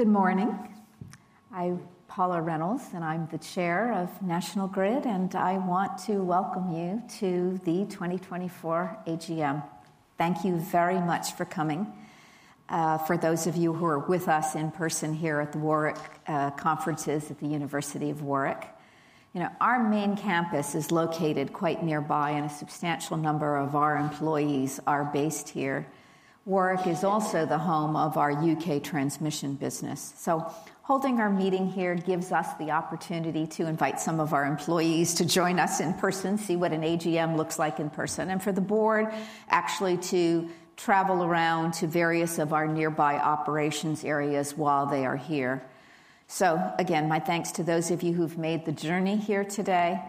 Good morning. I'm Paula Reynolds, and I'm the Chair of National Grid, and I want to welcome you to the 2024 AGM. Thank you very much for coming. For those of you who are with us in person here at Warwick Conferences at the University of Warwick. You know, our main campus is located quite nearby, and a substantial number of our employees are based here. Warwick is also the home of our UK transmission business. So holding our meeting here gives us the opportunity to invite some of our employees to join us in person, see what an AGM looks like in person, and for the board actually to travel around to various of our nearby operations areas while they are here. So again, my thanks to those of you who've made the journey here today.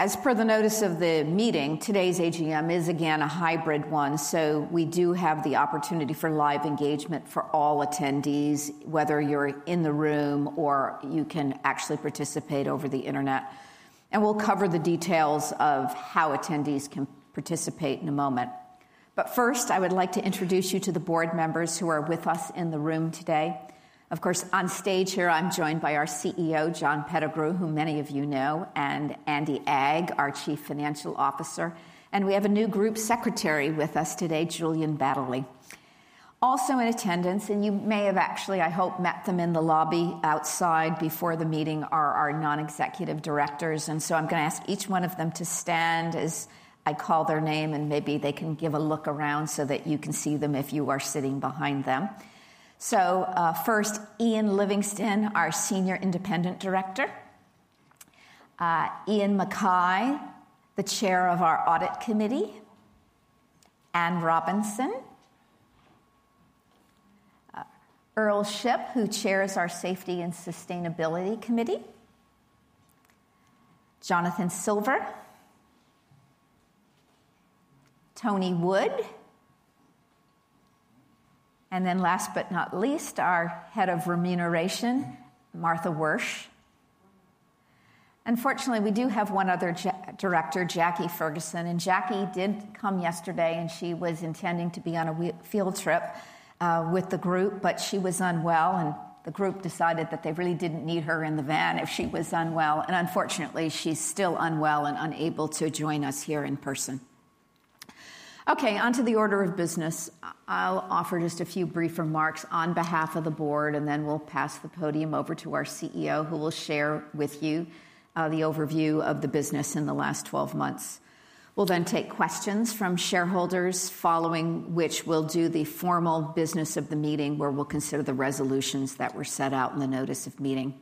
As per the notice of the meeting, today's AGM is again a hybrid one, so we do have the opportunity for live engagement for all attendees, whether you're in the room or you can actually participate over the internet. And we'll cover the details of how attendees can participate in a moment. But first, I would like to introduce you to the board members who are with us in the room today. Of course, on stage here, I'm joined by our CEO, John Pettigrew, who many of you know, and Andy Agg, our Chief Financial Officer, and we have a new Group Secretary with us today, Julian Baddeley. Also in attendance, and you may have actually, I hope, met them in the lobby outside before the meeting, are our non-executive directors, and so I'm gonna ask each one of them to stand as I call their name, and maybe they can give a look around so that you can see them if you are sitting behind them. So, first, Ian Livingston, our Senior Independent Director, Ian Mackay, the Chair of our Audit Committee, Anne Robinson, Earl Shipp, who chairs our Safety and Sustainability Committee, Jonathan Silver, Tony Wood, and then last but not least, our Head of Remuneration, Martha Wyrsch. Unfortunately, we do have one other director, Jacqui Ferguson, and Jacqui did come yesterday, and she was intending to be on a field trip with the group, but she was unwell, and the group decided that they really didn't need her in the van if she was unwell, and unfortunately, she's still unwell and unable to join us here in person. Okay, onto the order of business. I'll offer just a few brief remarks on behalf of the board, and then we'll pass the podium over to our CEO, who will share with you the overview of the business in the last 12 months. We'll then take questions from shareholders, following which we'll do the formal business of the meeting, where we'll consider the resolutions that were set out in the notice of meeting.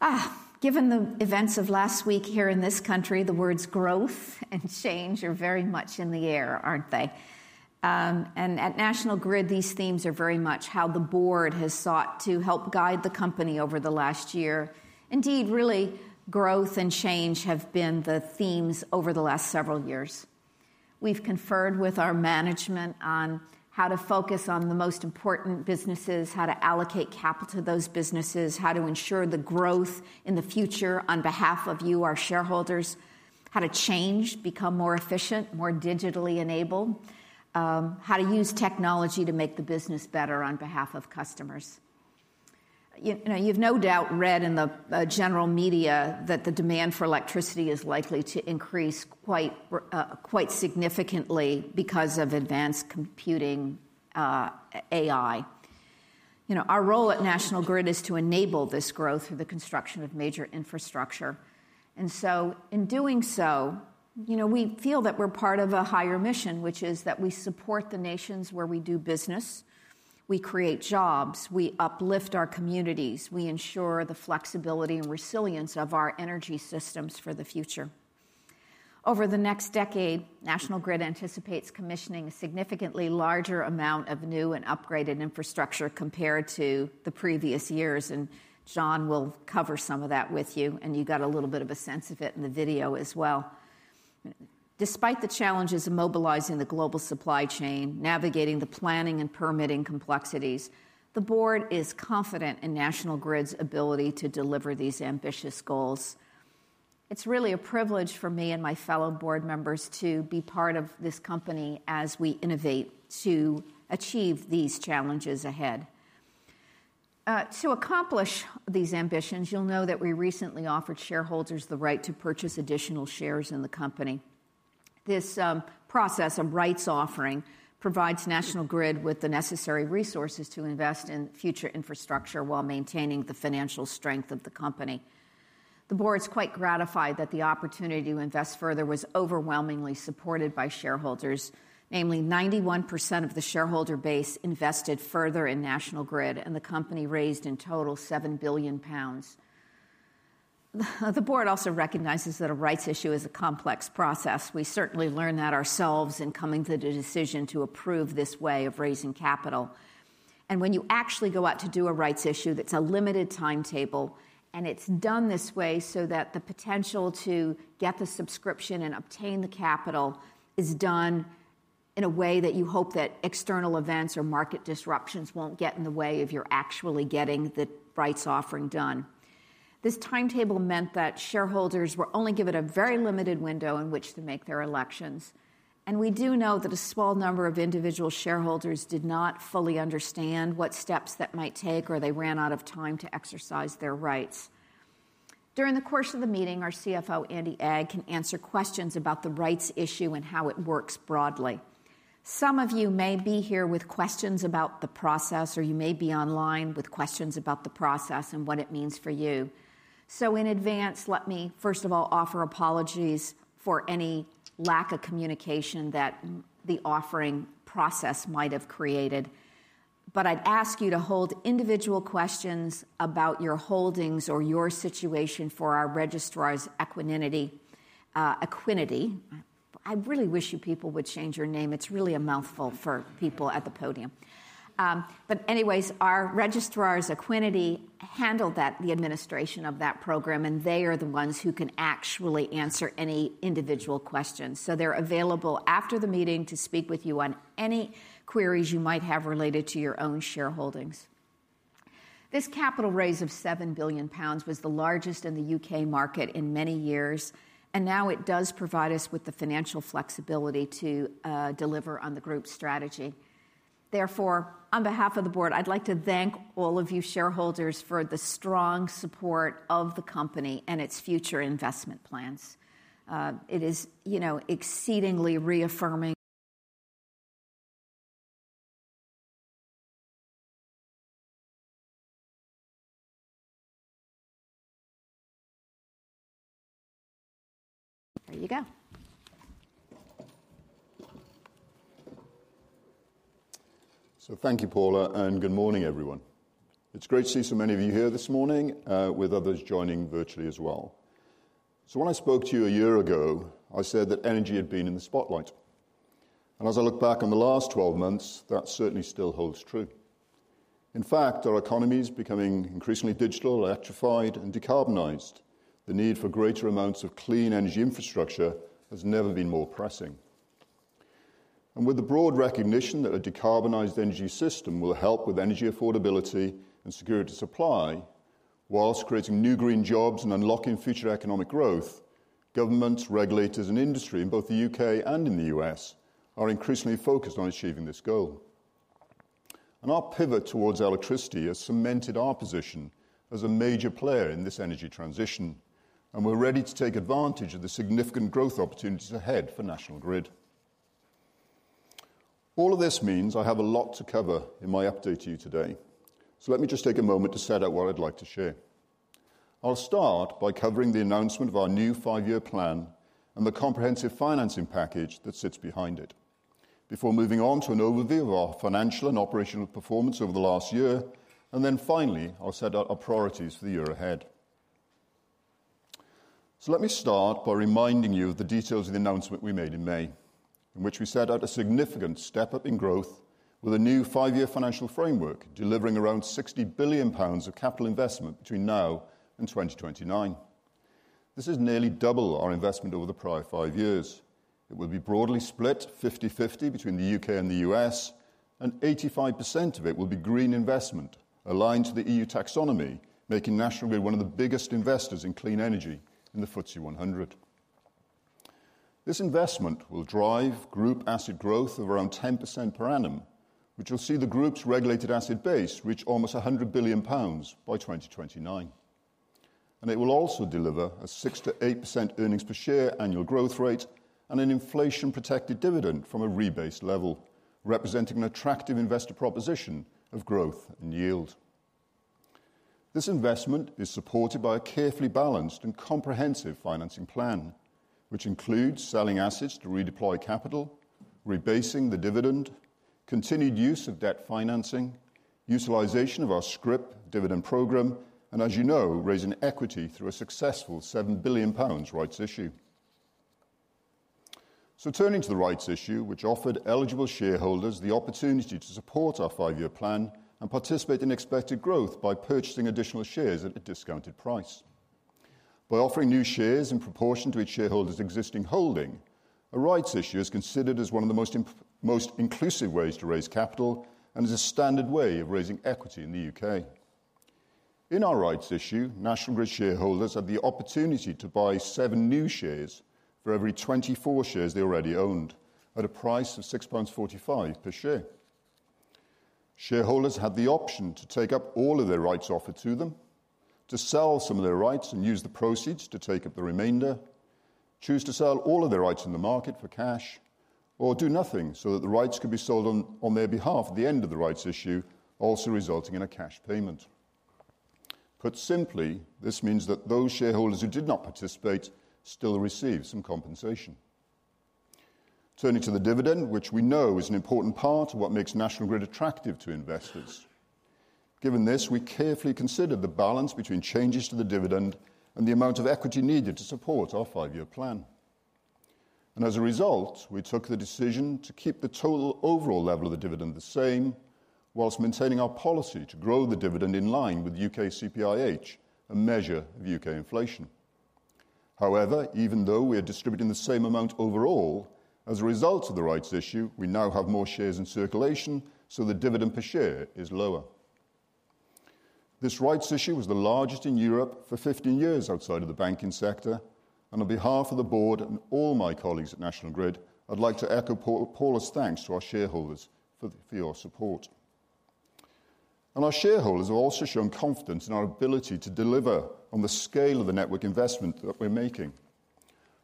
Ah, given the events of last week here in this country, the words growth and change are very much in the air, aren't they? And at National Grid, these themes are very much how the board has sought to help guide the company over the last year. Indeed, really, growth and change have been the themes over the last several years. We've conferred with our management on how to focus on the most important businesses, how to allocate capital to those businesses, how to ensure the growth in the future on behalf of you, our shareholders, how to change, become more efficient, more digitally enabled, how to use technology to make the business better on behalf of customers. You know, you've no doubt read in the general media that the demand for electricity is likely to increase quite significantly because of advanced computing, AI. You know, our role at National Grid is to enable this growth through the construction of major infrastructure, and so in doing so, you know, we feel that we're part of a higher mission, which is that we support the nations where we do business, we create jobs, we uplift our communities, we ensure the flexibility and resilience of our energy systems for the future. Over the next decade, National Grid anticipates commissioning a significantly larger amount of new and upgraded infrastructure compared to the previous years, and John will cover some of that with you, and you got a little bit of a sense of it in the video as well. Despite the challenges of mobilizing the global supply chain, navigating the planning and permitting complexities, the board is confident in National Grid's ability to deliver these ambitious goals. It's really a privilege for me and my fellow board members to be part of this company as we innovate to achieve these challenges ahead. To accomplish these ambitions, you'll know that we recently offered shareholders the right to purchase additional shares in the company. This process, a rights offering, provides National Grid with the necessary resources to invest in future infrastructure while maintaining the financial strength of the company. The board's quite gratified that the opportunity to invest further was overwhelmingly supported by shareholders, namely, 91% of the shareholder base invested further in National Grid, and the company raised, in total, 7 billion pounds. The board also recognizes that a rights issue is a complex process. We certainly learned that ourselves in coming to the decision to approve this way of raising capital. When you actually go out to do a rights issue, that's a limited timetable, and it's done this way so that the potential to get the subscription and obtain the capital is done in a way that you hope that external events or market disruptions won't get in the way of your actually getting the rights offering done. This timetable meant that shareholders were only given a very limited window in which to make their elections, and we do know that a small number of individual shareholders did not fully understand what steps that might take, or they ran out of time to exercise their rights. During the course of the meeting, our CFO, Andy Agg, can answer questions about the rights issue and how it works broadly. Some of you may be here with questions about the process, or you may be online with questions about the process and what it means for you. So in advance, let me, first of all, offer apologies for any lack of communication that the offering process might have created. But I'd ask you to hold individual questions about your holdings or your situation for our registrar's Equiniti. I really wish you people would change your name. It's really a mouthful for people at the podium. But anyways, our registrar's Equiniti handled that, the administration of that program, and they are the ones who can actually answer any individual questions. So they're available after the meeting to speak with you on any queries you might have related to your own shareholdings. This capital raise of 7 billion pounds was the largest in the UK market in many years, and now it does provide us with the financial flexibility to deliver on the group's strategy. Therefore, on behalf of the board, I'd like to thank all of you shareholders for the strong support of the company and its future investment plans. It is, you know, exceedingly reaffirming. There you go. So thank you, Paula, and good morning, everyone. It's great to see so many of you here this morning, with others joining virtually as well. So when I spoke to you a year ago, I said that energy had been in the spotlight, and as I look back on the last 12 months, that certainly still holds true. In fact, our economy is becoming increasingly digital, electrified, and decarbonized. The need for greater amounts of clean energy infrastructure has never been more pressing. And with the broad recognition that a decarbonized energy system will help with energy affordability and security supply, whilst creating new green jobs and unlocking future economic growth, governments, regulators, and industry in both the U.K. and in the U.S. are increasingly focused on achieving this goal. Our pivot towards electricity has cemented our position as a major player in this energy transition, and we're ready to take advantage of the significant growth opportunities ahead for National Grid. All of this means I have a lot to cover in my update to you today. Let me just take a moment to set out what I'd like to share. I'll start by covering the announcement of our new five-year plan and the comprehensive financing package that sits behind it, before moving on to an overview of our financial and operational performance over the last year. Then finally, I'll set out our priorities for the year ahead. Let me start by reminding you of the details of the announcement we made in May, in which we set out a significant step-up in growth with a new five-year financial framework, delivering around 60 billion pounds of capital investment between now and 2029. This is nearly double our investment over the prior five years. It will be broadly split 50/50 between the UK and the US, and 85% of it will be green investment aligned to the EU Taxonomy, making National Grid one of the biggest investors in clean energy in the FTSE 100. This investment will drive group asset growth of around 10% per annum, which will see the group's regulated asset base reach almost 100 billion pounds by 2029. It will also deliver a 6%-8% earnings per share annual growth rate, and an inflation-protected dividend from a rebased level, representing an attractive investor proposition of growth and yield. This investment is supported by a carefully balanced and comprehensive financing plan, which includes selling assets to redeploy capital, rebasing the dividend, continued use of debt financing, utilization of our scrip dividend program, and as you know, raising equity through a successful 7 billion pounds rights issue. Turning to the rights issue, which offered eligible shareholders the opportunity to support our five-year plan and participate in expected growth by purchasing additional shares at a discounted price. By offering new shares in proportion to each shareholder's existing holding, a rights issue is considered as one of the most inclusive ways to raise capital and is a standard way of raising equity in the UK. In our rights issue, National Grid shareholders had the opportunity to buy 7 new shares for every 24 shares they already owned, at a price of 6.45 pounds per share. Shareholders had the option to take up all of their rights offered to them, to sell some of their rights and use the proceeds to take up the remainder, choose to sell all of their rights in the market for cash, or do nothing so that the rights could be sold on their behalf at the end of the rights issue, also resulting in a cash payment. Put simply, this means that those shareholders who did not participate still receive some compensation. Turning to the dividend, which we know is an important part of what makes National Grid attractive to investors. Given this, we carefully considered the balance between changes to the dividend and the amount of equity needed to support our five-year plan. As a result, we took the decision to keep the total overall level of the dividend the same, while maintaining our policy to grow the dividend in line with UK CPIH, a measure of UK inflation.... However, even though we are distributing the same amount overall, as a result of the rights issue, we now have more shares in circulation, so the dividend per share is lower. This rights issue was the largest in Europe for 15 years outside of the banking sector, and on behalf of the board and all my colleagues at National Grid, I'd like to echo Paula's thanks to our shareholders for your support. Our shareholders have also shown confidence in our ability to deliver on the scale of the network investment that we're making.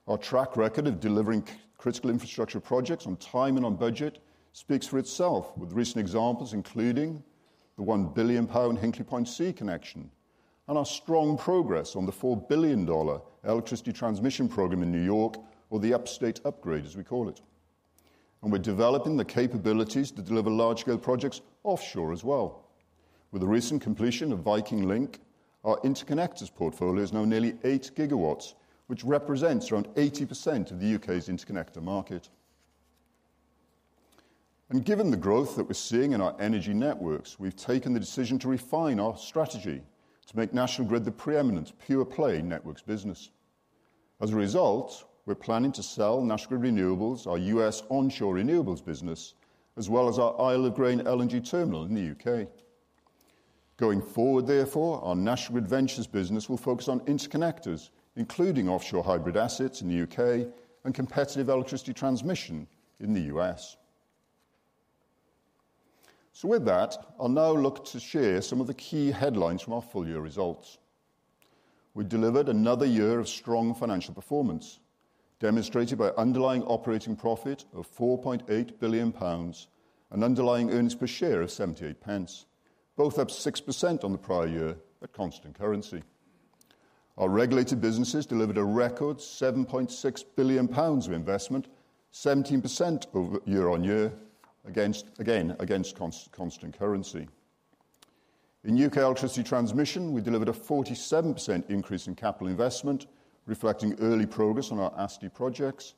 Our track record of delivering critical infrastructure projects on time and on budget speaks for itself, with recent examples, including the 1 billion pound Hinkley Point C connection and our strong progress on the $4 billion electricity transmission program in New York, or the Upstate Upgrade, as we call it. We're developing the capabilities to deliver large-scale projects offshore as well. With the recent completion of Viking Link, our interconnectors portfolio is now nearly 8 GW, which represents around 80% of the UK's interconnector market. Given the growth that we're seeing in our energy networks, we've taken the decision to refine our strategy to make National Grid the preeminent pure-play networks business. As a result, we're planning to sell National Grid Renewables, our U.S. onshore renewables business, as well as our Isle of Grain LNG terminal in the U.K. Going forward, therefore, our National Grid Ventures business will focus on interconnectors, including offshore hybrid assets in the U.K. and competitive electricity transmission in the U.S. So with that, I'll now look to share some of the key headlines from our full-year results. We delivered another year of strong financial performance, demonstrated by underlying operating profit of 4.8 billion pounds and underlying earnings per share of 0.78, both up 6% on the prior year at constant currency. Our regulated businesses delivered a record 7.6 billion pounds of investment, 17% over year-on-year against constant currency. In UK electricity transmission, we delivered a 47% increase in capital investment, reflecting early progress on our ASTI projects.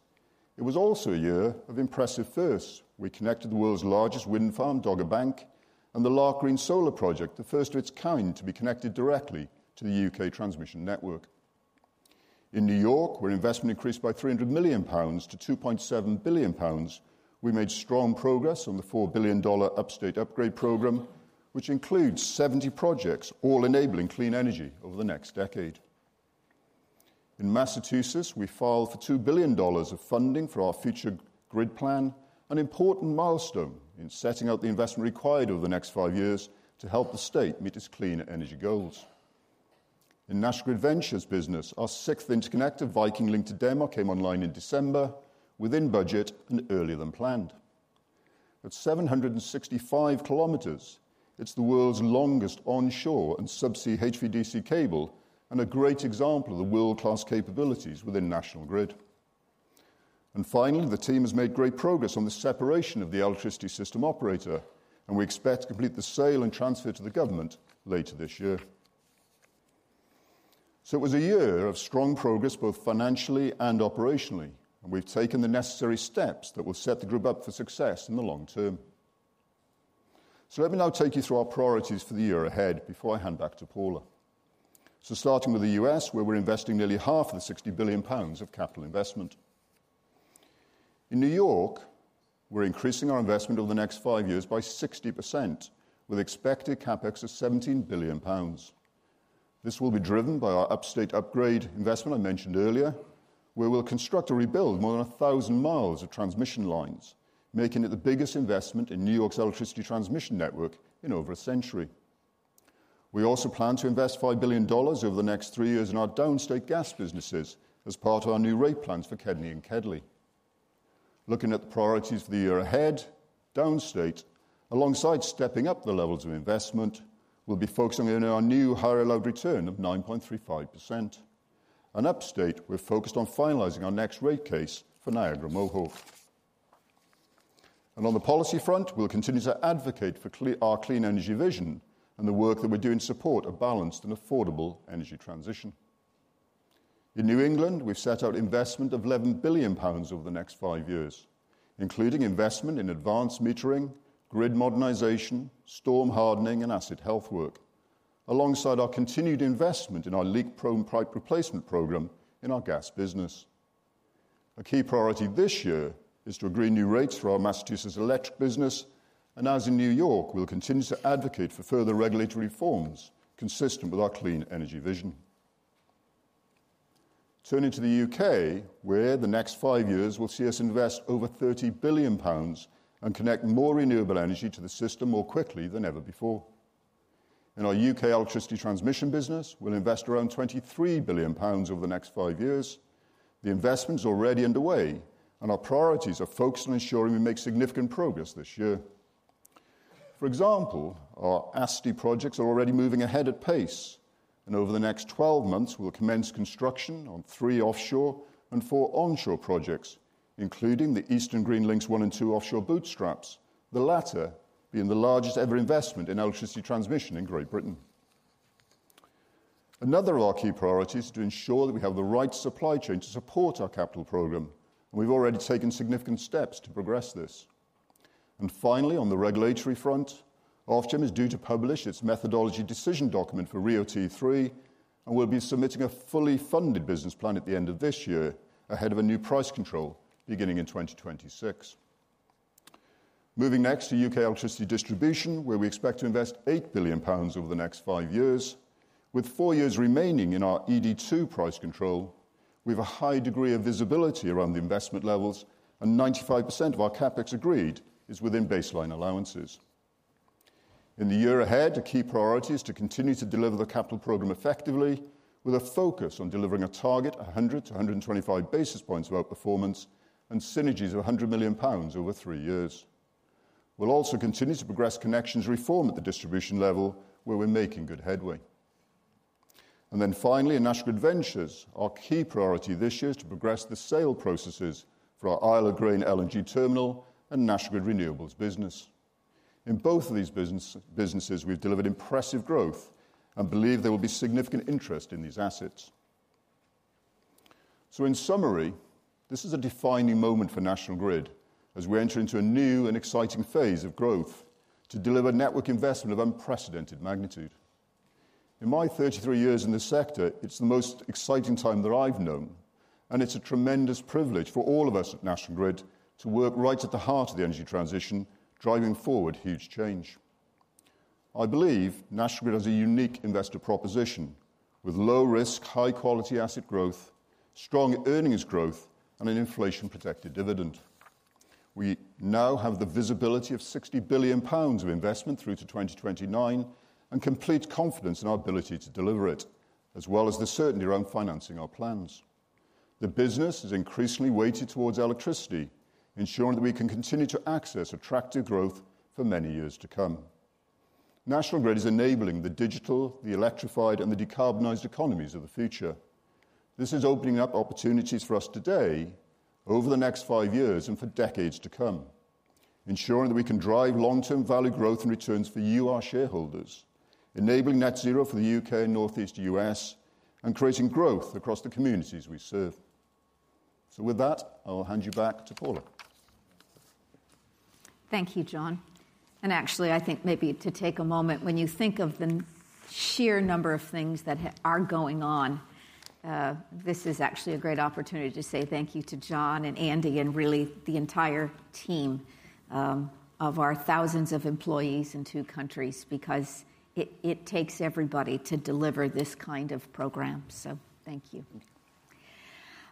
It was also a year of impressive firsts. We connected the world's largest wind farm, Dogger Bank, and the Larke Green Solar project, the first of its kind to be connected directly to the UK transmission network. In New York, where investment increased by 300 million pounds to 2.7 billion pounds, we made strong progress on the $4 billion Upstate Upgrade program, which includes 70 projects, all enabling clean energy over the next decade. In Massachusetts, we filed for $2 billion of funding for our future grid plan, an important milestone in setting out the investment required over the next five years to help the state meet its clean energy goals. In National Grid Ventures business, our sixth interconnector, Viking Link to Denmark, came online in December, within budget and earlier than planned. At 765 kilometers, it's the world's longest onshore and subsea HVDC cable and a great example of the world-class capabilities within National Grid. Finally, the team has made great progress on the separation of the electricity system operator, and we expect to complete the sale and transfer to the government later this year. It was a year of strong progress, both financially and operationally, and we've taken the necessary steps that will set the group up for success in the long term. Let me now take you through our priorities for the year ahead before I hand back to Paula. Starting with the U.S., where we're investing nearly half of the 60 billion pounds of capital investment. In New York, we're increasing our investment over the next 5 years by 60%, with expected CapEx of 17 billion pounds. This will be driven by our Upstate Upgrade investment I mentioned earlier, where we'll construct or rebuild more than 1,000 miles of transmission lines, making it the biggest investment in New York's electricity transmission network in over a century. We also plan to invest $5 billion over the next 3 years in our downstate gas businesses as part of our new rate plans for KEDNY and KEDLI. Looking at the priorities for the year ahead, downstate, alongside stepping up the levels of investment, we'll be focusing on our new higher load return of 9.35%. Upstate, we're focused on finalizing our next rate case for Niagara Mohawk. On the policy front, we'll continue to advocate for our clean energy vision and the work that we do in support of balanced and affordable energy transition. In New England, we've set out investment of 11 billion pounds over the next 5 years, including investment in advanced metering, grid modernization, storm hardening, and asset health work, alongside our continued investment in our leak-prone pipe replacement program in our gas business. A key priority this year is to agree new rates for our Massachusetts electric business, and as in New York, we'll continue to advocate for further regulatory reforms consistent with our clean energy vision. Turning to the UK, where the next 5 years will see us invest over 30 billion pounds and connect more renewable energy to the system more quickly than ever before. In our UK electricity transmission business, we'll invest around 23 billion pounds over the next 5 years. The investment is already underway, and our priorities are focused on ensuring we make significant progress this year. For example, our ASTI projects are already moving ahead at pace, and over the next 12 months, we'll commence construction on 3 offshore and 4 onshore projects, including the Eastern Green Links 1 and 2 offshore bootstraps, the latter being the largest-ever investment in electricity transmission in Great Britain. Another of our key priorities is to ensure that we have the right supply chain to support our capital program, and we've already taken significant steps to progress this. Finally, on the regulatory front, Ofgem is due to publish its methodology decision document for RIIO-T3, and we'll be submitting a fully funded business plan at the end of this year, ahead of a new price control beginning in 2026. Moving next to UK Electricity Distribution, where we expect to invest 8 billion pounds over the next five years. With four years remaining in our ED2 price control, we have a high degree of visibility around the investment levels, and 95% of our CapEx agreed is within baseline allowances. In the year ahead, a key priority is to continue to deliver the capital program effectively, with a focus on delivering a target of 100-125 basis points of outperformance and synergies of 100 million pounds over three years. We'll also continue to progress connections reform at the distribution level, where we're making good headway. Then finally, in National Grid Ventures, our key priority this year is to progress the sale processes for our Isle of Grain LNG terminal and National Grid Renewables business. In both of these businesses, we've delivered impressive growth and believe there will be significant interest in these assets. So in summary, this is a defining moment for National Grid as we enter into a new and exciting phase of growth to deliver network investment of unprecedented magnitude. In my 33 years in this sector, it's the most exciting time that I've known, and it's a tremendous privilege for all of us at National Grid to work right at the heart of the energy transition, driving forward huge change. I believe National Grid has a unique investor proposition with low risk, high-quality asset growth, strong earnings growth, and an inflation-protected dividend. We now have the visibility of 60 billion pounds of investment through to 2029 and complete confidence in our ability to deliver it, as well as the certainty around financing our plans. The business is increasingly weighted towards electricity, ensuring that we can continue to access attractive growth for many years to come. National Grid is enabling the digital, the electrified, and the decarbonized economies of the future. This is opening up opportunities for us today, over the next five years and for decades to come, ensuring that we can drive long-term value growth and returns for you, our shareholders, enabling net zero for the UK and Northeast US, and creating growth across the communities we serve. So with that, I'll hand you back to Paula. Thank you, John. And actually, I think maybe to take a moment, when you think of the sheer number of things that are going on, this is actually a great opportunity to say thank you to John and Andy and really the entire team, of our thousands of employees in two countries, because it, it takes everybody to deliver this kind of program. So thank you.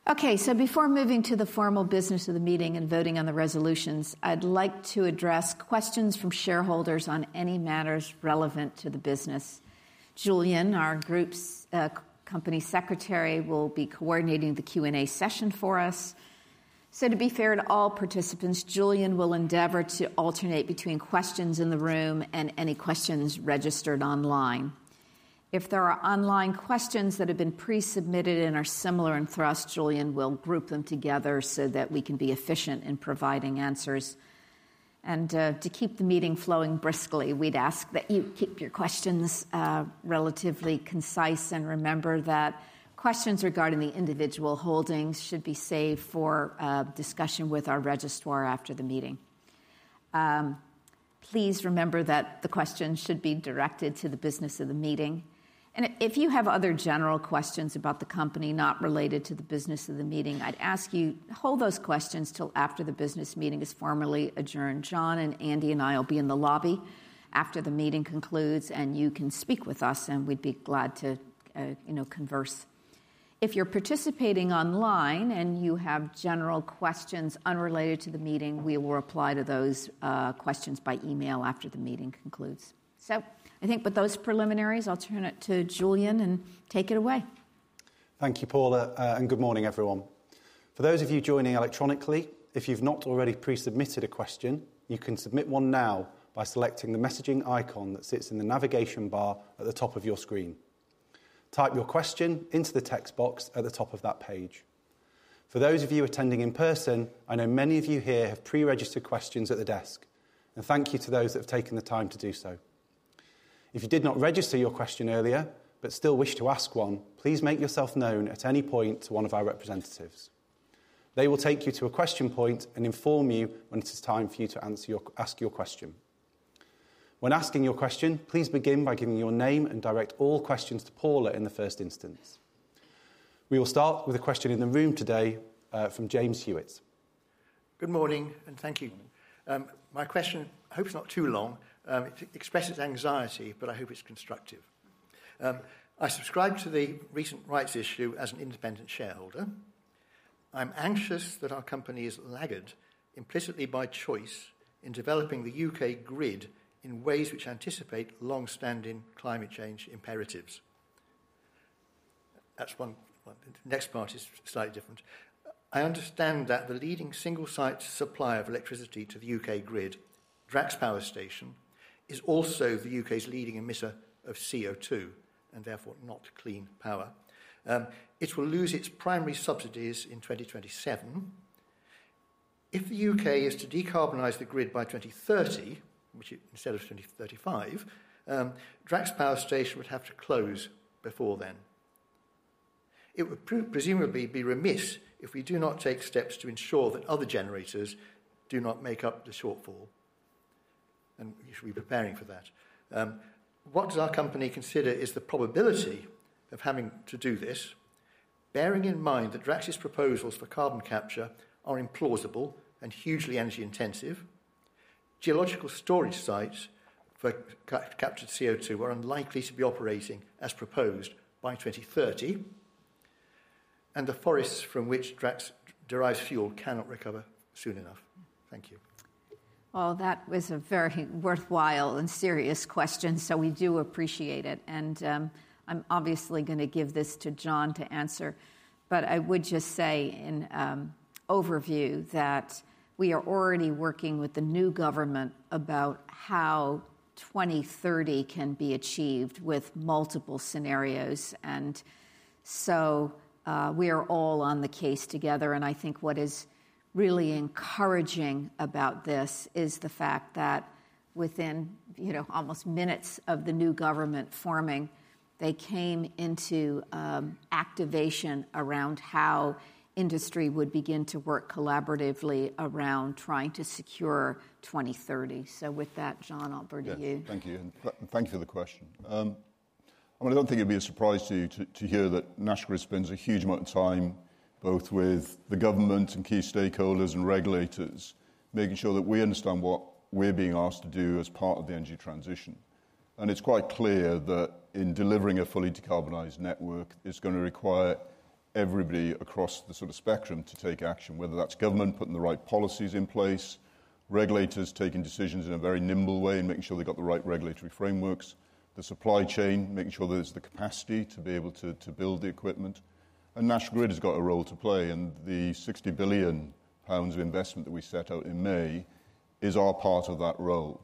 Okay, so before moving to the formal business of the meeting and voting on the resolutions, I'd like to address questions from shareholders on any matters relevant to the business. Julian, our Group's company secretary, will be coordinating the Q&A session for us. So to be fair to all participants, Julian will endeavor to alternate between questions in the room and any questions registered online. If there are online questions that have been pre-submitted and are similar in thrust, Julian will group them together so that we can be efficient in providing answers. And, to keep the meeting flowing briskly, we'd ask that you keep your questions, relatively concise, and remember that questions regarding the individual holdings should be saved for, discussion with our registrar after the meeting. Please remember that the questions should be directed to the business of the meeting, and if you have other general questions about the company, not related to the business of the meeting, I'd ask you to hold those questions till after the business meeting is formally adjourned. John and Andy and I will be in the lobby after the meeting concludes, and you can speak with us, and we'd be glad to, you know, converse. If you're participating online and you have general questions unrelated to the meeting, we will reply to those questions by email after the meeting concludes. So I think with those preliminaries, I'll turn it to Julian, and take it away. Thank you, Paula, and good morning, everyone. For those of you joining electronically, if you've not already pre-submitted a question, you can submit one now by selecting the messaging icon that sits in the navigation bar at the top of your screen. Type your question into the text box at the top of that page. For those of you attending in person, I know many of you here have pre-registered questions at the desk, and thank you to those that have taken the time to do so. If you did not register your question earlier, but still wish to ask one, please make yourself known at any point to one of our representatives. They will take you to a question point and inform you when it is time for you to ask your question. When asking your question, please begin by giving your name, and direct all questions to Paula in the first instance. We will start with a question in the room today from James Hewitts. Good morning, and thank you. My question, I hope it's not too long, it expresses anxiety, but I hope it's constructive. I subscribed to the recent rights issue as an independent shareholder. I'm anxious that our company is laggard, implicitly by choice, in developing the U.K. grid in ways which anticipate long-standing climate change imperatives. That's one the next part is slightly different. I understand that the leading single-site supplier of electricity to the U.K. grid, Drax Power Station, is also the U.K.'s leading emitter of CO2, and therefore not clean power. It will lose its primary subsidies in 2027. If the U.K. is to decarbonize the grid by 2030, which it, instead of 2035, Drax Power Station would have to close before then. It would presumably be remiss if we do not take steps to ensure that other generators do not make up the shortfall, and we should be preparing for that. What does our company consider is the probability of having to do this, bearing in mind that Drax's proposals for carbon capture are implausible and hugely energy intensive, geological storage sites for captured CO2 are unlikely to be operating as proposed by 2030, and the forests from which Drax derives fuel cannot recover soon enough? Thank you. Well, that was a very worthwhile and serious question, so we do appreciate it, and I'm obviously gonna give this to John to answer. But I would just say in overview, that we are already working with the new government about how 2030 can be achieved with multiple scenarios. And so, we are all on the case together, and I think what is really encouraging about this is the fact that within, you know, almost minutes of the new government forming, they came into activation around how industry would begin to work collaboratively around trying to secure 2030. So with that, John, I'll bring to you. Yeah. Thank you, and thank you for the question. I mean, I don't think it'd be a surprise to you to hear that National Grid spends a huge amount of time, both with the government and key stakeholders and regulators, making sure that we understand what we're being asked to do as part of the energy transition. It's quite clear that in delivering a fully decarbonized network, it's gonna require everybody across the sort of spectrum to take action, whether that's government putting the right policies in place, regulators taking decisions in a very nimble way and making sure they've got the right regulatory frameworks, the supply chain, making sure there's the capacity to be able to build the equipment. National Grid has got a role to play, and the 60 billion pounds of investment that we set out in May is our part of that role.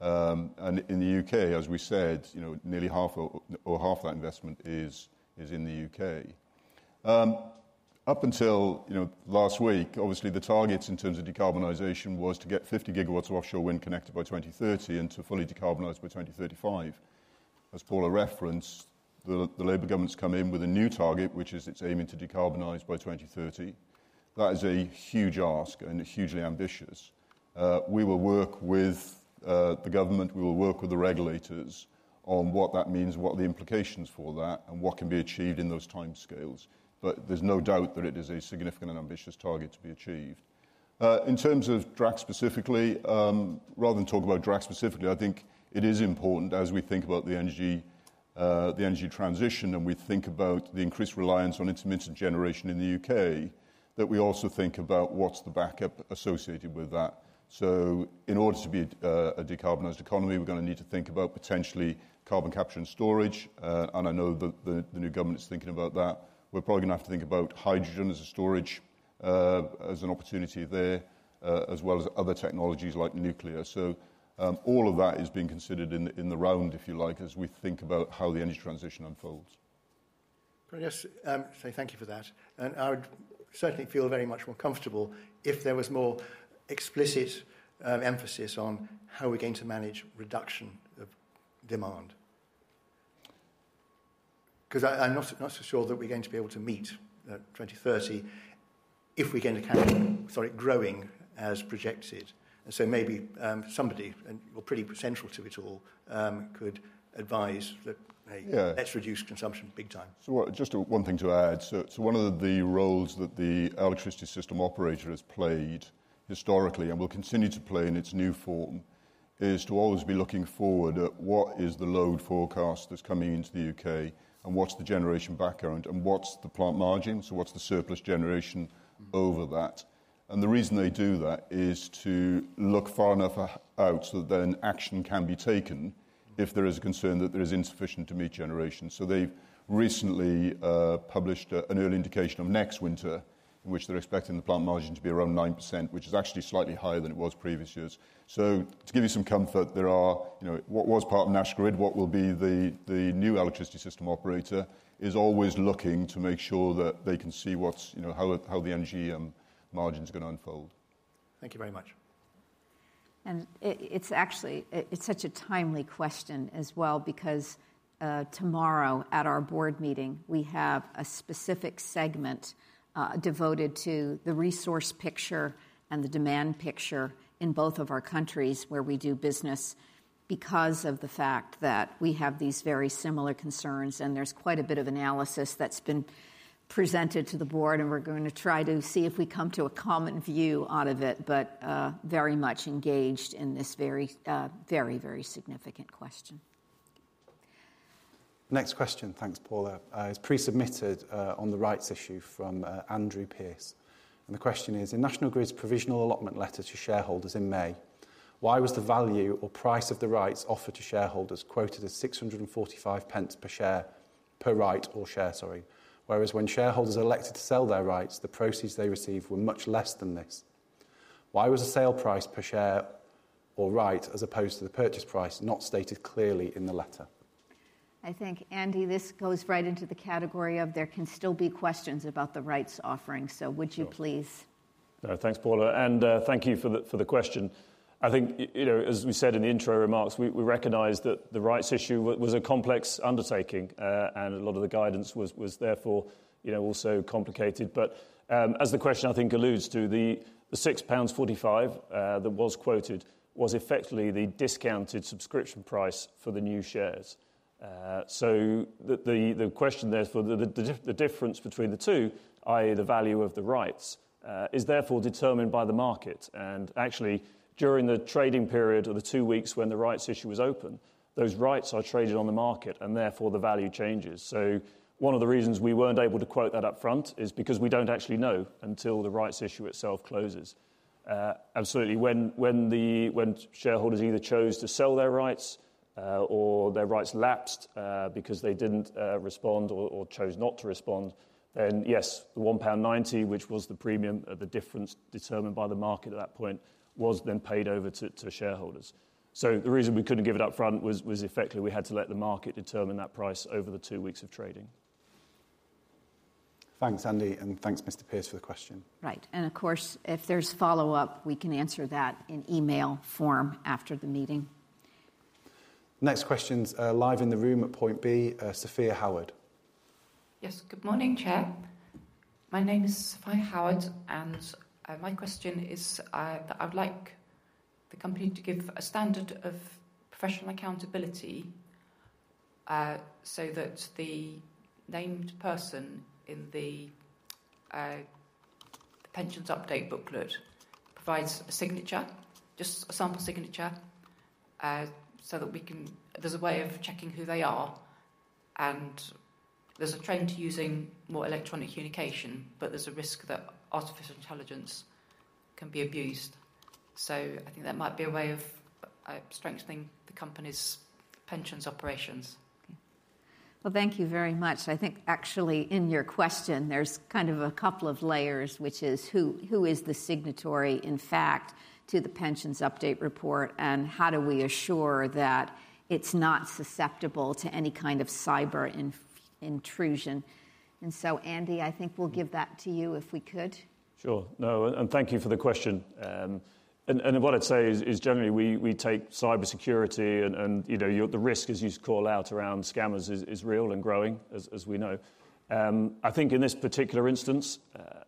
And in the UK, as we said, you know, nearly half or half that investment is in the UK. Up until, you know, last week, obviously, the targets in terms of decarbonization was to get 50 GW of offshore wind connected by 2030 and to fully decarbonize by 2035. As Paula referenced, the Labour government's come in with a new target, which is it's aiming to decarbonize by 2030. That is a huge ask, and hugely ambitious. We will work with the government, we will work with the regulators on what that means, what are the implications for that, and what can be achieved in those timescales. There's no doubt that it is a significant and ambitious target to be achieved. In terms of Drax specifically, rather than talk about Drax specifically, I think it is important as we think about the energy, the energy transition, and we think about the increased reliance on intermittent generation in the UK, that we also think about what's the backup associated with that. In order to be a decarbonized economy, we're gonna need to think about potentially carbon capture and storage, and I know that the new government is thinking about that. We're probably gonna have to think about hydrogen as a storage, as an opportunity there, as well as other technologies like nuclear. All of that is being considered in the round, if you like, as we think about how the energy transition unfolds. Can I just say thank you for that? And I would certainly feel very much more comfortable if there was more explicit emphasis on how we're going to manage reduction of demand. 'Cause I, I'm not so sure that we're going to be able to meet 2030 if we're going to carry on, sorry, growing as projected. And so maybe somebody, and you're pretty central to it all, could advise that. Yeah Let's reduce consumption big time. So just one thing to add. So, so one of the roles that the electricity system operator has played historically and will continue to play in its new form, is to always be looking forward at what is the load forecast that's coming into the U.K., and what's the generation background, and what's the plant margin, so what's the surplus generation over that? And the reason they do that is to look far enough out so that then action can be taken if there is a concern that there is insufficient to meet generation. So they've recently published an early indication of next winter, in which they're expecting the plant margin to be around 9%, which is actually slightly higher than it was previous years. So to give you some comfort, there are. You know, what was part of National Grid, what will be the new electricity system operator, is always looking to make sure that they can see what's, you know, how the energy margin is gonna unfold. Thank you very much. It's actually such a timely question as well, because tomorrow at our board meeting, we have a specific segment devoted to the resource picture and the demand picture in both of our countries where we do business, because of the fact that we have these very similar concerns, and there's quite a bit of analysis that's been presented to the board, and we're gonna try to see if we come to a common view out of it, but very much engaged in this very, very, very significant question. Next question, thanks, Paula, is pre-submitted, on the rights issue from, Andrew Pierce. And the question is: In National Grid's provisional allotment letter to shareholders in May, why was the value or price of the rights offered to shareholders quoted as 6.45 per share, per right or share, sorry, whereas when shareholders elected to sell their rights, the proceeds they received were much less than this? Why was the sale price per share or right, as opposed to the purchase price, not stated clearly in the letter? I think, Andy, this goes right into the category of there can still be questions about the rights offering. Sure. So would you please? Thanks, Paula, and thank you for the question. I think you know, as we said in the intro remarks, we recognize that the rights issue was a complex undertaking, and a lot of the guidance was therefore, you know, also complicated. But as the question, I think, alludes to, the £6.45 that was quoted was effectively the discounted subscription price for the new shares. So the question there for the difference between the two, i.e., the value of the rights, is therefore determined by the market. And actually, during the trading period or the two weeks when the rights issue was open, those rights are traded on the market, and therefore the value changes. So one of the reasons we weren't able to quote that up front is because we don't actually know until the rights issue itself closes. Absolutely, when the—when shareholders either chose to sell their rights or their rights lapsed because they didn't respond or chose not to respond, then, yes, the £1.90, which was the premium, the difference determined by the market at that point, was then paid over to shareholders. So the reason we couldn't give it up front was effectively we had to let the market determine that price over the two weeks of trading. Thanks, Andy, and thanks, Mr. Pierce, for the question. Right. Of course, if there's follow-up, we can answer that in email form after the meeting. Next question's live in the room at Point B, Sophia Howard. Yes. Good morning, Chair. My name is Sophia Howard, and my question is that I would like the company to give a standard of professional accountability, so that the named person in the pensions update booklet provides a signature, just a sample signature, so that we can. There's a way of checking who they are, and there's a trend to using more electronic communication, but there's a risk that artificial intelligence can be abused. So I think that might be a way of strengthening the company's pensions operations. Well, thank you very much. I think actually in your question, there's kind of a couple of layers, which is who, who is the signatory, in fact, to the pensions update report, and how do we assure that it's not susceptible to any kind of cyber intrusion? And so, Andy, I think we'll give that to you, if we could. Sure. No, and thank you for the question. And what I'd say is generally we take cybersecurity and, you know, the risk, as you call out around scammers is real and growing, as we know. I think in this particular instance,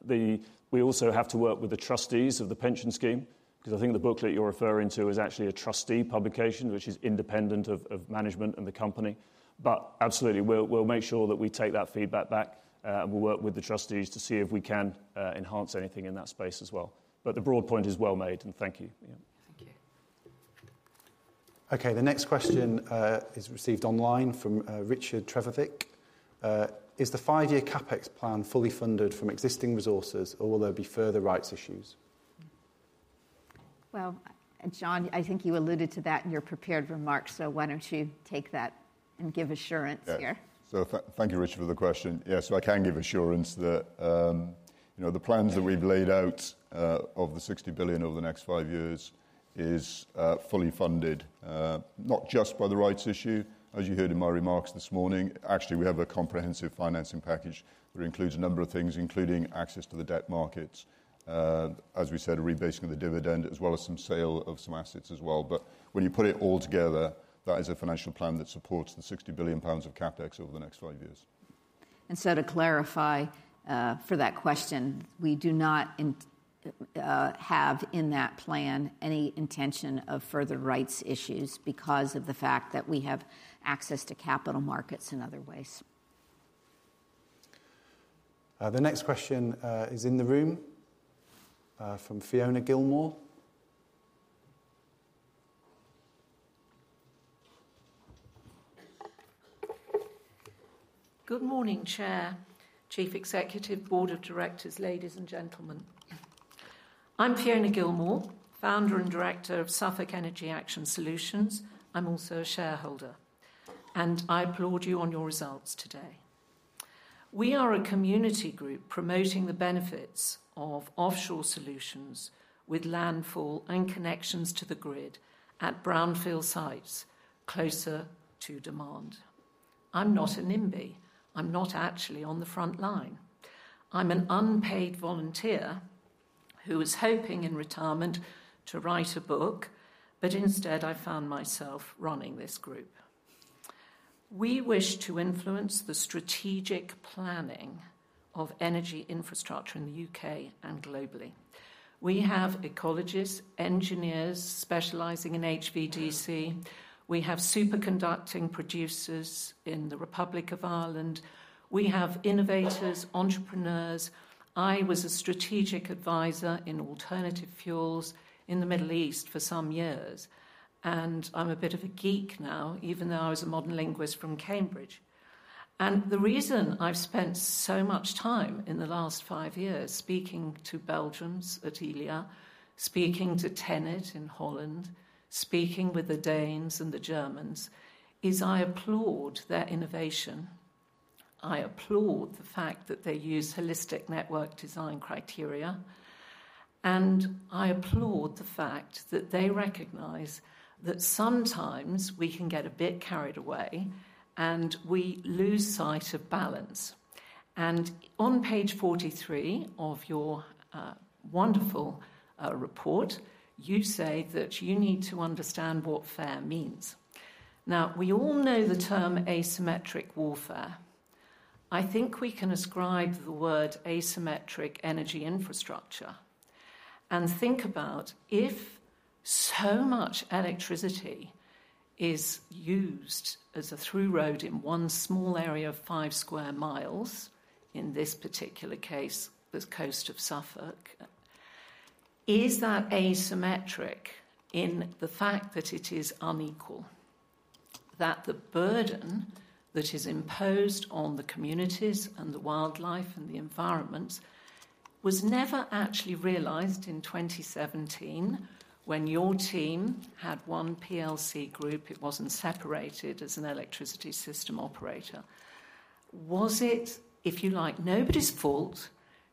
we also have to work with the trustees of the pension scheme, because I think the booklet you're referring to is actually a trustee publication, which is independent of management and the company. But absolutely, we'll make sure that we take that feedback back, and we'll work with the trustees to see if we can enhance anything in that space as well. But the broad point is well made, and thank you. Yeah. Thank you. Okay, the next question is received online from Richard Trevithick. "Is the five-year CapEx plan fully funded from existing resources, or will there be further rights issues? Well, John, I think you alluded to that in your prepared remarks, so why don't you take that and give assurance here? Yes. So thank you, Richard, for the question. Yeah, so I can give assurance that, you know, the plans that we've laid out, of the 60 billion over the next five years is fully funded, not just by the rights issue. As you heard in my remarks this morning, actually, we have a comprehensive financing package that includes a number of things, including access to the debt markets, as we said, a rebasing of the dividend, as well as some sale of some assets as well. But when you put it all together, that is a financial plan that supports the 60 billion pounds of CapEx over the next five years. And so to clarify, for that question, we do not have in that plan any intention of further rights issues because of the fact that we have access to capital markets in other ways. The next question is in the room from Fiona Gilmore. Good morning, Chair, Chief Executive, Board of Directors, ladies and gentlemen. I'm Fiona Gilmore, founder and director of Suffolk Energy Action Solutions. I'm also a shareholder, and I applaud you on your results today. We are a community group promoting the benefits of offshore solutions with landfall and connections to the grid at brownfield sites closer to demand. I'm not a NIMBY. I'm not actually on the front line. I'm an unpaid volunteer who was hoping in retirement to write a book, but instead, I found myself running this group. We wish to influence the strategic planning of energy infrastructure in the U.K. and globally. We have ecologists, engineers specializing in HVDC. We have superconducting producers in the Republic of Ireland. We have innovators, entrepreneurs. I was a strategic advisor in alternative fuels in the Middle East for some years, and I'm a bit of a geek now, even though I was a modern linguist from Cambridge. And the reason I've spent so much time in the last five years speaking to Belgians at Elia, speaking to TenneT in Holland, speaking with the Danes and the Germans, is I applaud their innovation. I applaud the fact that they use holistic network design criteria, and I applaud the fact that they recognize that sometimes we can get a bit carried away, and we lose sight of balance. And on page 43 of your wonderful report, you say that you need to understand what fair means. Now, we all know the term asymmetric warfare. I think we can ascribe the word asymmetric energy infrastructure and think about if so much electricity is used as a through road in one small area of five square miles, in this particular case, this coast of Suffolk, is that asymmetric in the fact that it is unequal? That the burden that is imposed on the communities, and the wildlife, and the environment was never actually realized in 2017, when your team had one PLC group, it wasn't separated as an electricity system operator. Was it, if you like, nobody's fault?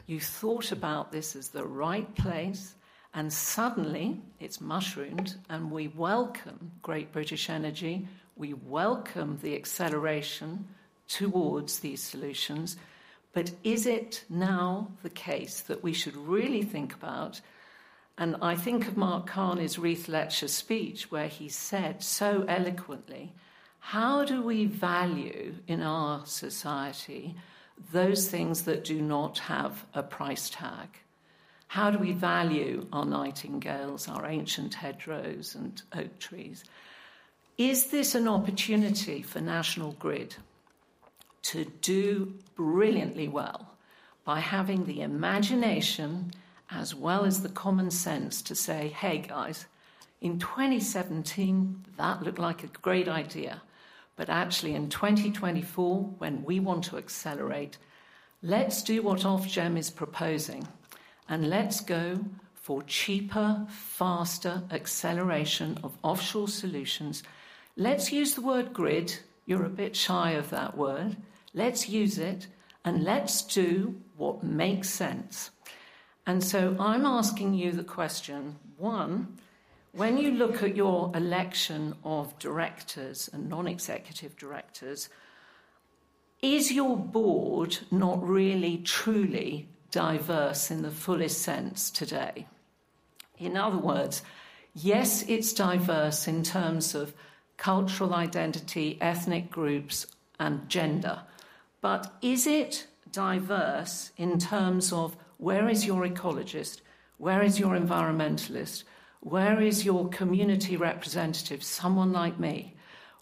You thought about this as the right place, and suddenly it's mushroomed, and we welcome Great British Energy, we welcome the acceleration towards these solutions. But is it now the case that we should really think about— And I think of Mark Carney's Reith Lecture speech, where he said so eloquently, "How do we value in our society those things that do not have a price tag? How do we value our nightingales, our ancient hedgerows, and oak trees?" Is this an opportunity for National Grid to do brilliantly well by having the imagination as well as the common sense to say, "Hey, guys, in 2017, that looked like a great idea, but actually, in 2024, when we want to accelerate, let's do what Ofgem is proposing, and let's go for cheaper, faster acceleration of offshore solutions. Let's use the word grid." You're a bit shy of that word. Let's use it, and let's do what makes sense." And so I'm asking you the question, one, when you look at your election of directors and non-executive directors, is your board not really, truly diverse in the fullest sense today? In other words, yes, it's diverse in terms of cultural identity, ethnic groups, and gender, but is it diverse in terms of where is your ecologist? Where is your environmentalist? Where is your community representative, someone like me?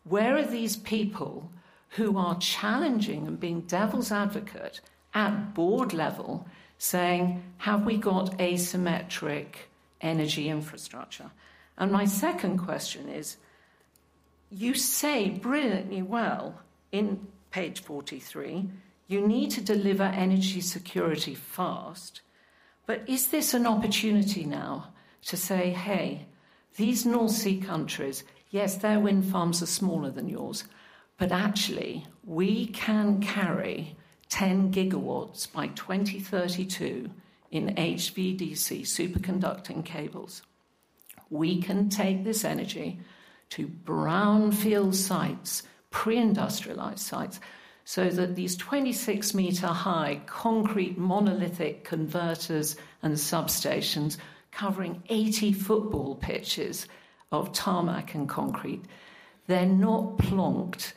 Where are these people who are challenging and being devil's advocate at board level, saying, "Have we got asymmetric energy infrastructure?" And my second question is, you say brilliantly well in page 43, you need to deliver energy security fast. But is this an opportunity now to say, "Hey, these North Sea countries, yes, their wind farms are smaller than yours, but actually, we can carry 10 gigawatts by 2032 in HVDC superconducting cables. We can take this energy to brownfield sites, pre-industrialized sites, so that these 26-meter-high concrete monolithic converters and substations covering 80 football pitches of tarmac and concrete, they're not plonked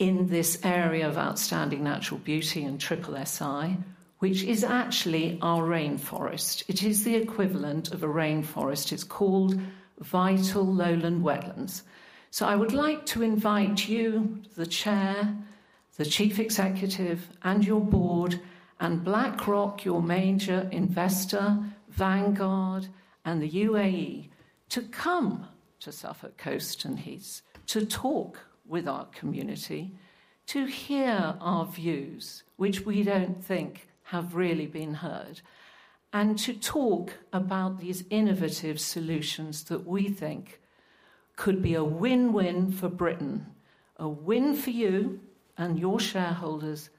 in this area of outstanding natural beauty and SSSI, which is actually our rainforest." It is the equivalent of a rainforest. It's called vital lowland wetlands. So I would like to invite you, the chair, the chief executive, and your board, and BlackRock, your major investor, Vanguard, and the UAE, to come to Suffolk Coast and Heaths, to talk with our community, to hear our views, which we don't think have really been heard, and to talk about these innovative solutions that we think could be a win-win for Britain, a win for you and your shareholders,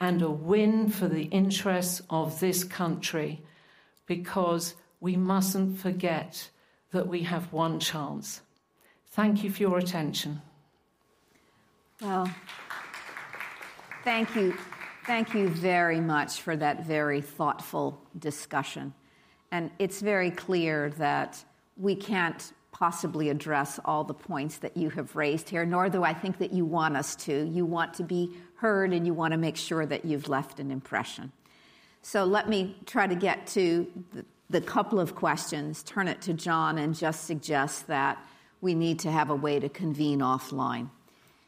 and a win for the interests of this country, because we mustn't forget that we have one chance. Thank you for your attention. Well, thank you. Thank you very much for that very thoughtful discussion. And it's very clear that we can't possibly address all the points that you have raised here, nor do I think that you want us to. You want to be heard, and you wanna make sure that you've left an impression. So let me try to get to the couple of questions, turn it to John, and just suggest that we need to have a way to convene offline.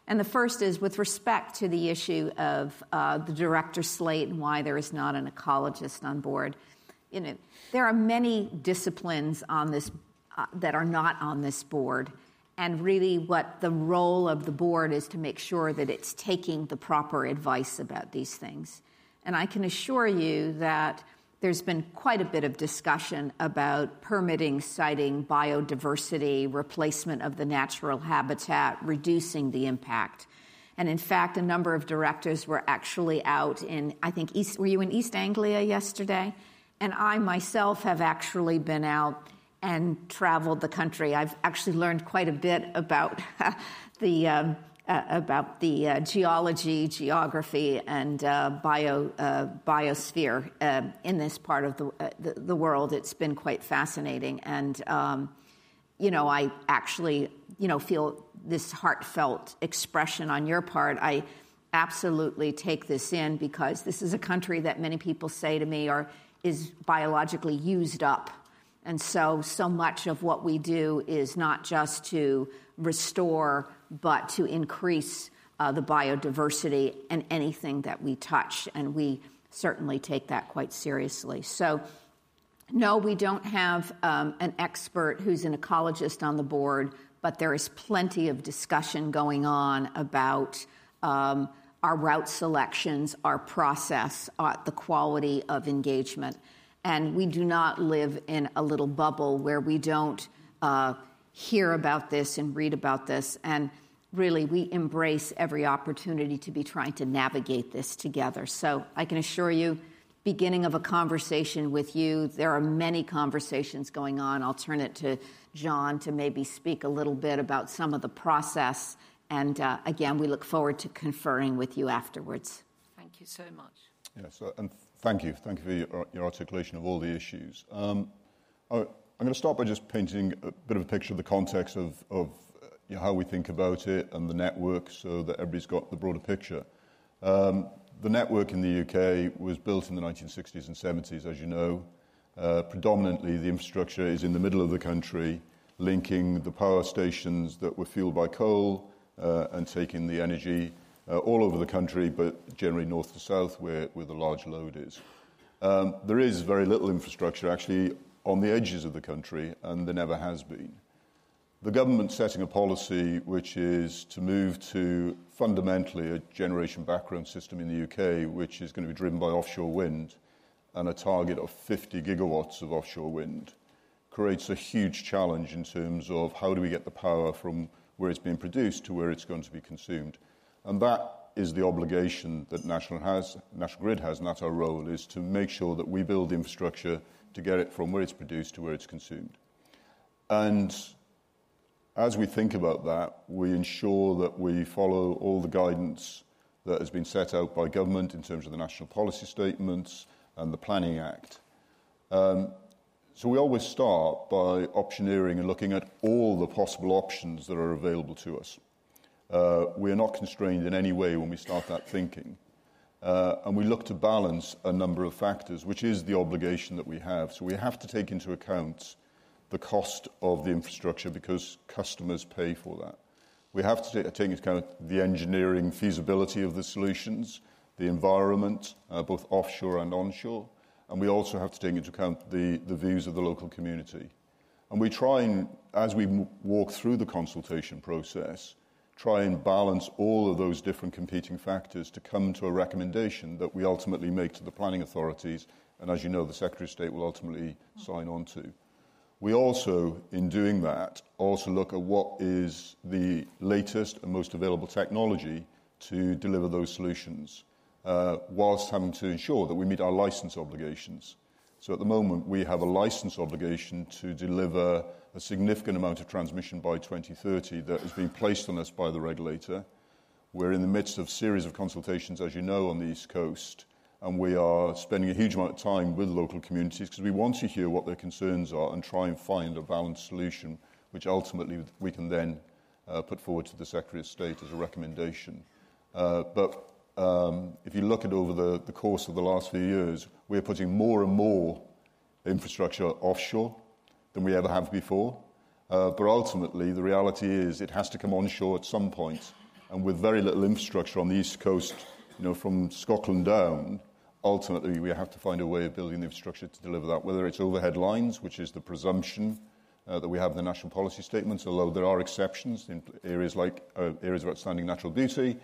And the first is with respect to the issue of the director slate and why there is not an ecologist on board. You know, there are many disciplines on this that are not on this board, and really, what the role of the board is to make sure that it's taking the proper advice about these things. I can assure you that there's been quite a bit of discussion about permitting, siting, biodiversity, replacement of the natural habitat, reducing the impact. And in fact, a number of directors were actually out in, I think, East Anglia yesterday. And I myself have actually been out and traveled the country. I've actually learned quite a bit about the about the geology, geography, and bio biosphere in this part of the world. It's been quite fascinating, and you know, I actually, you know, feel this heartfelt expression on your part. I absolutely take this in because this is a country that many people say to me are, is biologically used up. And so, so much of what we do is not just to restore, but to increase, the biodiversity in anything that we touch, and we certainly take that quite seriously. So, no, we don't have, an expert who's an ecologist on the board, but there is plenty of discussion going on about, our route selections, our process, the quality of engagement. And we do not live in a little bubble where we don't, hear about this and read about this, and really, we embrace every opportunity to be trying to navigate this together. So I can assure you, beginning of a conversation with you, there are many conversations going on. I'll turn it to John to maybe speak a little bit about some of the process, and, again, we look forward to conferring with you afterwards. Thank you so much. Yes, and thank you. Thank you for your, your articulation of all the issues. I, I'm gonna start by just painting a bit of a picture of the context of, of, you know, how we think about it and the network so that everybody's got the broader picture. The network in the U.K. was built in the 1960s and 1970s, as you know. Predominantly, the infrastructure is in the middle of the country, linking the power stations that were fueled by coal, and taking the energy, all over the country, but generally north to south, where, where the large load is. There is very little infrastructure actually on the edges of the country, and there never has been. The government setting a policy, which is to move to fundamentally a generation backbone system in the UK, which is gonna be driven by offshore wind, and a target of 50 gigawatts of offshore wind, creates a huge challenge in terms of how do we get the power from where it's being produced to where it's going to be consumed? And that is the obligation that National has, National Grid has, and that our role is to make sure that we build the infrastructure to get it from where it's produced to where it's consumed. And as we think about that, we ensure that we follow all the guidance that has been set out by government in terms of the National Policy Statements and the Planning Act. So we always start by optioneering and looking at all the possible options that are available to us. We are not constrained in any way when we start that thinking, and we look to balance a number of factors, which is the obligation that we have. So we have to take into account the cost of the infrastructure because customers pay for that. We have to take into account the engineering feasibility of the solutions, the environment, both offshore and onshore, and we also have to take into account the views of the local community. And we try and, as we walk through the consultation process, try and balance all of those different competing factors to come to a recommendation that we ultimately make to the planning authorities, and as you know, the Secretary of State will ultimately sign on to. We also, in doing that, also look at what is the latest and most available technology to deliver those solutions, while having to ensure that we meet our license obligations. So at the moment, we have a license obligation to deliver a significant amount of transmission by 2030 that has been placed on us by the regulator. We're in the midst of series of consultations, as you know, on the East Coast, and we are spending a huge amount of time with local communities because we want to hear what their concerns are and try and find a balanced solution, which ultimately we can then put forward to the Secretary of State as a recommendation. But if you look at over the course of the last few years, we're putting more and more infrastructure offshore than we ever have before. But ultimately, the reality is it has to come onshore at some point, and with very little infrastructure on the East Coast, you know, from Scotland down, ultimately, we have to find a way of building the infrastructure to deliver that, whether it's overhead lines, which is the presumption, that we have in the national policy statements, although there are exceptions in areas like, Areas of Outstanding Natural Beauty,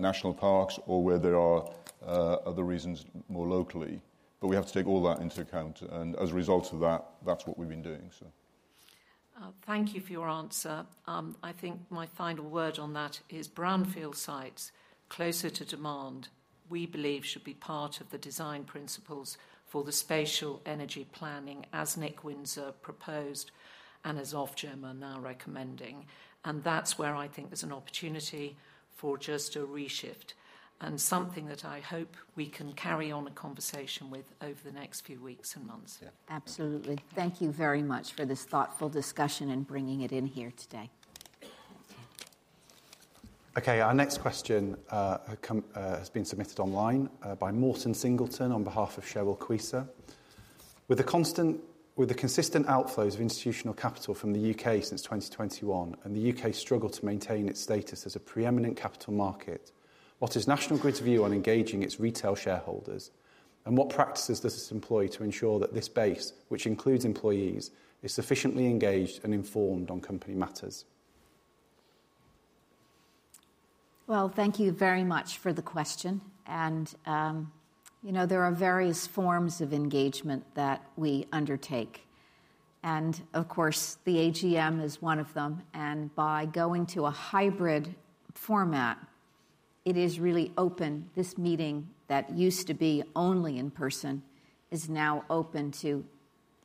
National Parks, or where there are, other reasons more locally. But we have to take all that into account, and as a result of that, that's what we've been doing so. Thank you for your answer. I think my final word on that is brownfield sites closer to demand, we believe, should be part of the design principles for the spatial energy planning, as Nick Winser proposed and as Ofgem are now recommending. And that's where I think there's an opportunity for just a reshift, and something that I hope we can carry on a conversation with over the next few weeks and months. Yeah. Absolutely. Thank you very much for this thoughtful discussion and bringing it in here today. Okay, our next question has been submitted online by Martin Singleton on behalf of ShareSoc and UKSA: With the consistent outflows of institutional capital from the U.K. since 2021 and the U.K.'s struggle to maintain its status as a preeminent capital market, what is National Grid's view on engaging its retail shareholders, and what practices does it employ to ensure that this base, which includes employees, is sufficiently engaged and informed on company matters? Well, thank you very much for the question. And, you know, there are various forms of engagement that we undertake, and of course, the AGM is one of them, and by going to a hybrid format, it is really open. This meeting that used to be only in person is now open to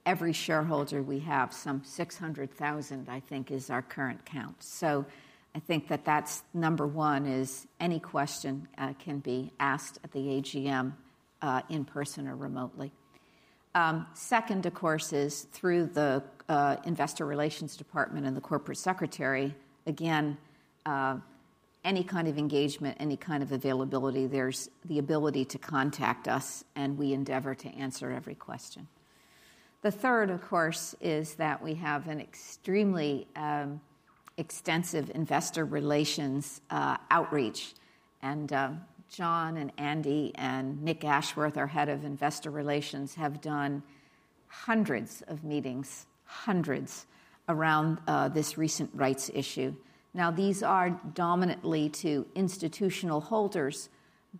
every shareholder we have. Some 600,000, I think, is our current count. So I think that that's number one, is any question can be asked at the AGM, in person or remotely. Second, of course, is through the investor relations department and the corporate secretary. Again, any kind of engagement, any kind of availability, there's the ability to contact us, and we endeavor to answer every question. The third, of course, is that we have an extremely extensive investor relations outreach, and John and Andy and Nick Ashworth, our head of investor relations, have done hundreds of meetings, hundreds, around this recent Rights Issue. Now, these are dominantly to institutional holders,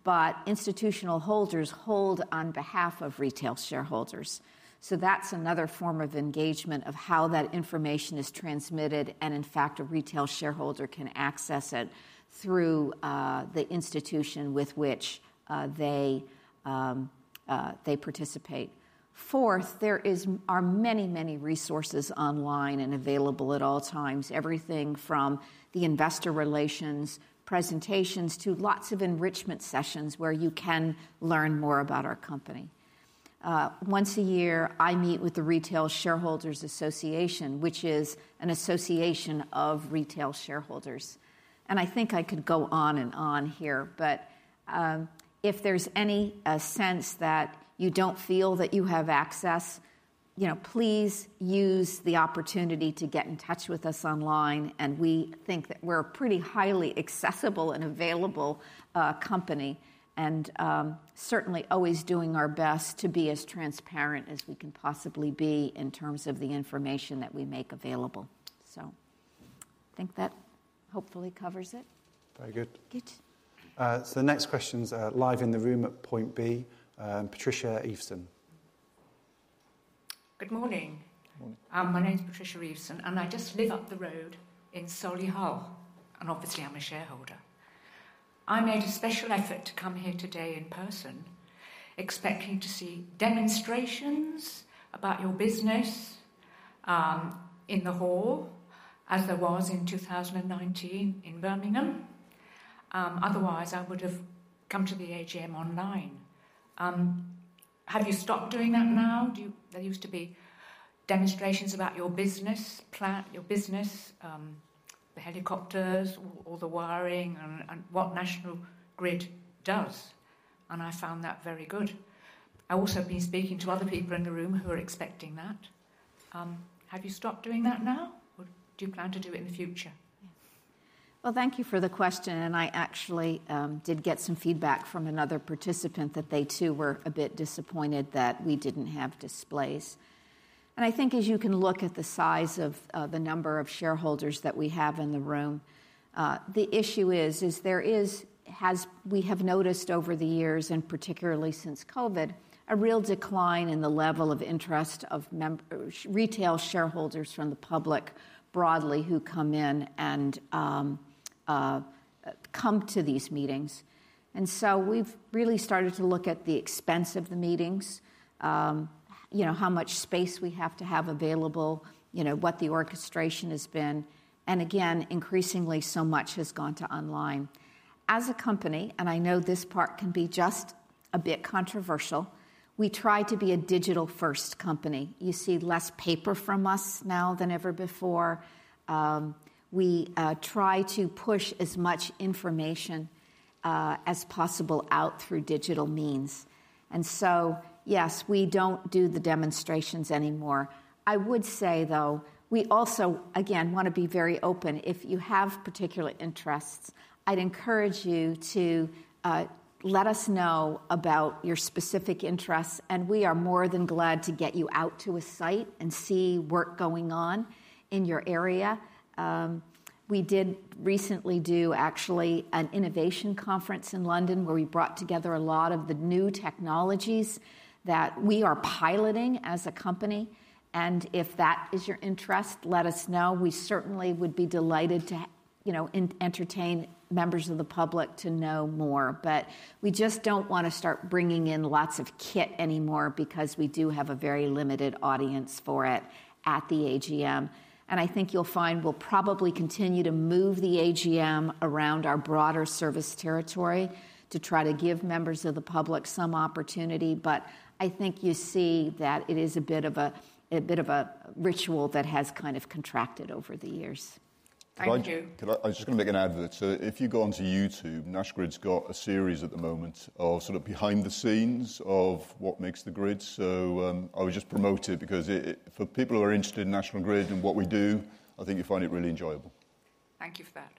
but institutional holders hold on behalf of retail shareholders. So that's another form of engagement of how that information is transmitted, and in fact, a retail shareholder can access it through the institution with which they participate. Fourth, there are many, many resources online and available at all times. Everything from the investor relations presentations to lots of enrichment sessions, where you can learn more about our company. Once a year, I meet with the Retail Shareholders Association, which is an association of retail shareholders, and I think I could go on and on here. If there's any sense that you don't feel that you have access, you know, please use the opportunity to get in touch with us online, and we think that we're a pretty highly accessible and available company, and certainly always doing our best to be as transparent as we can possibly be in terms of the information that we make available. So I think that hopefully covers it. Very good. Good. So the next question's live in the room at Point B, Patricia Eveson. Good morning. Morning. My name is Patricia Eveson, and I just live up the road in Solihull, and obviously, I'm a shareholder. I made a special effort to come here today in person, expecting to see demonstrations about your business, in the hall, as there was in 2019 in Birmingham. Otherwise, I would have come to the AGM online. Have you stopped doing that now? There used to be demonstrations about your business plan, your business, the helicopters or, or the wiring and, and what National Grid does, and I found that very good. I also have been speaking to other people in the room who are expecting that. Have you stopped doing that now, or do you plan to do it in the future? Well, thank you for the question, and I actually did get some feedback from another participant that they, too, were a bit disappointed that we didn't have displays. And I think as you can look at the size of the number of shareholders that we have in the room, the issue is, there has—we have noticed over the years, and particularly since COVID, a real decline in the level of interest of members, retail shareholders from the public broadly, who come in and come to these meetings. And so we've really started to look at the expense of the meetings, you know, how much space we have to have available, you know, what the orchestration has been, and again, increasingly, so much has gone to online. As a company, and I know this part can be just a bit controversial, we try to be a digital-first company. You see less paper from us now than ever before. We try to push as much information as possible out through digital means, and so, yes, we don't do the demonstrations anymore. I would say, though, we also, again, want to be very open. If you have particular interests, I'd encourage you to let us know about your specific interests, and we are more than glad to get you out to a site and see work going on in your area. We did recently do actually an innovation conference in London, where we brought together a lot of the new technologies that we are piloting as a company, and if that is your interest, let us know. We certainly would be delighted to, you know, entertain members of the public to know more. But we just don't want to start bringing in lots of kit anymore because we do have a very limited audience for it at the AGM. And I think you'll find we'll probably continue to move the AGM around our broader service territory to try to give members of the public some opportunity. But I think you see that it is a bit of a, a bit of a ritual that has kind of contracted over the years. Thank you. Could I? I was just going to make an advert. So if you go onto YouTube, National Grid's got a series at the moment of sort of behind the scenes of what makes the grid. So, I would just promote it because it, for people who are interested in National Grid and what we do, I think you'll find it really enjoyable. Thank you for that.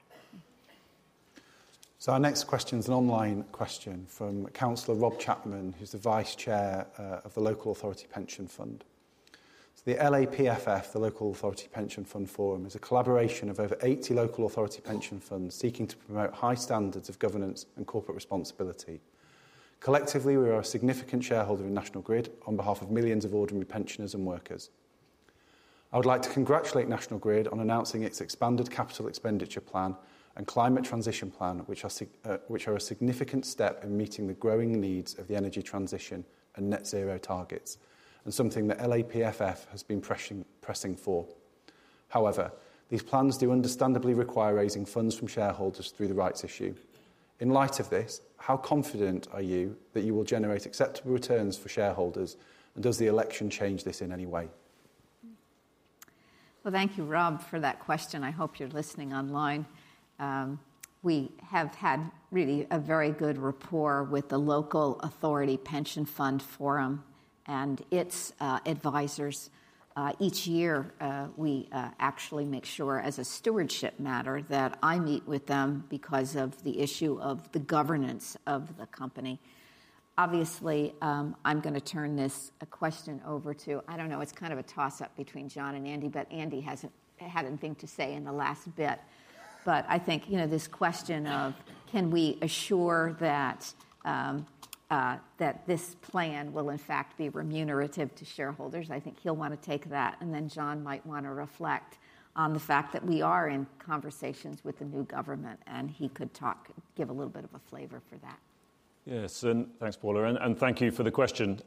So our next question is an online question from Councillor Rob Chapman, who's the vice chair of the Local Authority Pension Fund. So the LAPFF, the Local Authority Pension Fund Forum, is a collaboration of over 80 local authority pension funds seeking to promote high standards of governance and corporate responsibility. Collectively, we are a significant shareholder in National Grid on behalf of millions of ordinary pensioners and workers. I would like to congratulate National Grid on announcing its expanded capital expenditure plan and climate transition plan, which are a significant step in meeting the growing needs of the energy transition and net zero targets, and something that LAPFF has been pressuring for. However, these plans do understandably require raising funds from shareholders through the rights issue. In light of this, how confident are you that you will generate acceptable returns for shareholders, and does the election change this in any way? Well, thank you, Rob, for that question. I hope you're listening online. We have had really a very good rapport with the Local Authority Pension Fund Forum and its advisors. Each year, we actually make sure, as a stewardship matter, that I meet with them because of the issue of the governance of the company. Obviously, I'm gonna turn this question over to, I don't know, it's kind of a toss-up between John and Andy, but Andy hasn't had a thing to say in the last bit. But I think, you know, this question of, can we assure that this plan will in fact be remunerative to shareholders? I think he'll want to take that, and then John might want to reflect on the fact that we are in conversations with the new government, and he could talk, give a little bit of a flavor for that. Yes, and thanks, Paula, and thank you for the question.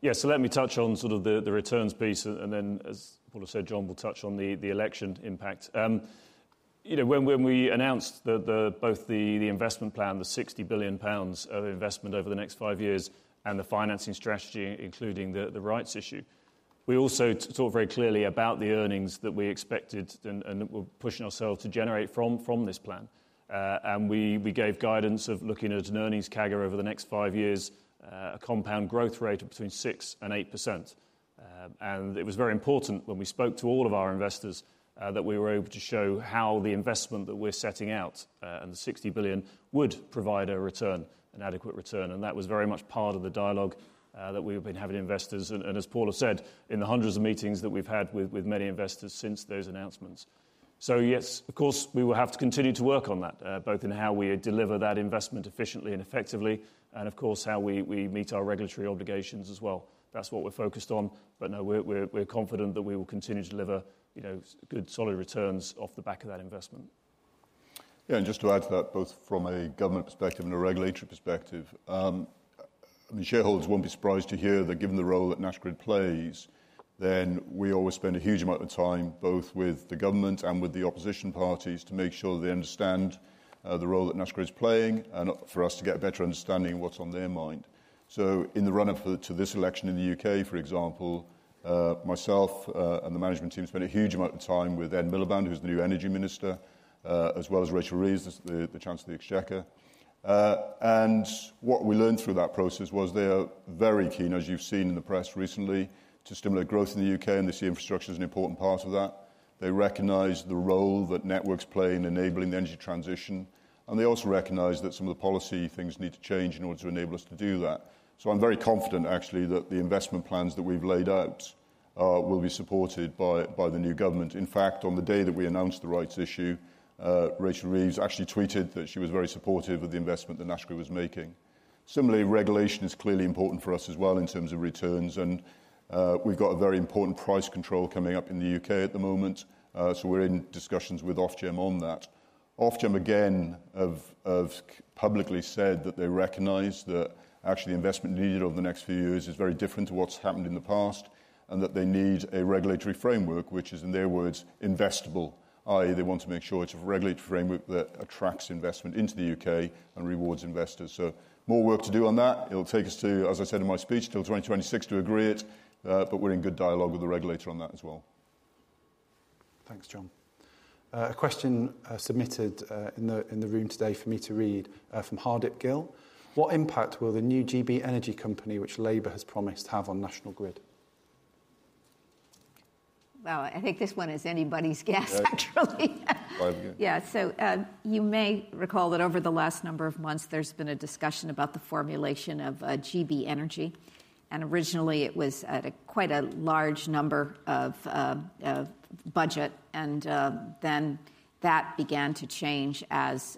Yeah, so let me touch on sort of the returns piece, and then, as Paula said, John will touch on the election impact. You know, when we announced both the investment plan, the 60 billion pounds of investment over the next five years and the financing strategy, including the rights issue, we also talked very clearly about the earnings that we expected and that we're pushing ourselves to generate from this plan. And we gave guidance of looking at an earnings CAGR over the next five years, a compound growth rate of between 6% and 8%. And it was very important when we spoke to all of our investors, that we were able to show how the investment that we're setting out, and the 60 billion, would provide a return, an adequate return. And that was very much part of the dialogue, that we've been having with investors, and as Paula said, in the hundreds of meetings that we've had with many investors since those announcements. So yes, of course, we will have to continue to work on that, both in how we deliver that investment efficiently and effectively, and of course, how we meet our regulatory obligations as well. That's what we're focused on. But no, we're confident that we will continue to deliver, you know, good solid returns off the back of that investment. Yeah, and just to add to that, both from a government perspective and a regulatory perspective, the shareholders won't be surprised to hear that given the role that National Grid plays, then we always spend a huge amount of time, both with the government and with the opposition parties, to make sure they understand the role that National Grid is playing and for us to get a better understanding of what's on their mind. So in the run-up to this election in the U.K., for example, myself and the management team spent a huge amount of time with Ed Miliband, who's the new Energy Minister, as well as Rachel Reeves, the Chancellor of the Exchequer. And what we learned through that process was they are very keen, as you've seen in the press recently, to stimulate growth in the U.K., and they see infrastructure as an important part of that. They recognize the role that networks play in enabling the energy transition, and they also recognize that some of the policy things need to change in order to enable us to do that. So I'm very confident, actually, that the investment plans that we've laid out will be supported by the new government. In fact, on the day that we announced the rights issue, Rachel Reeves actually tweeted that she was very supportive of the investment that National Grid was making. Similarly, regulation is clearly important for us as well in terms of returns, and we've got a very important price control coming up in the U.K. at the moment. So we're in discussions with Ofgem on that. Ofgem, again, have publicly said that they recognize that actually, the investment needed over the next few years is very different to what's happened in the past, and that they need a regulatory framework, which is, in their words, investable, i.e., they want to make sure it's a regulatory framework that attracts investment into the UK and rewards investors. So more work to do on that. It'll take us to, as I said in my speech, till 2026 to agree it, but we're in good dialogue with the regulator on that as well. Thanks, John. A question submitted in the room today for me to read from Hardip Gill: What impact will the new GB Energy company, which Labour has promised, have on National Grid? Well, I think this one is anybody's guess, actually. Yeah. Yeah, so, you may recall that over the last number of months, there's been a discussion about the formulation of GB Energy, and originally it was at a quite a large number of budget, and then that began to change as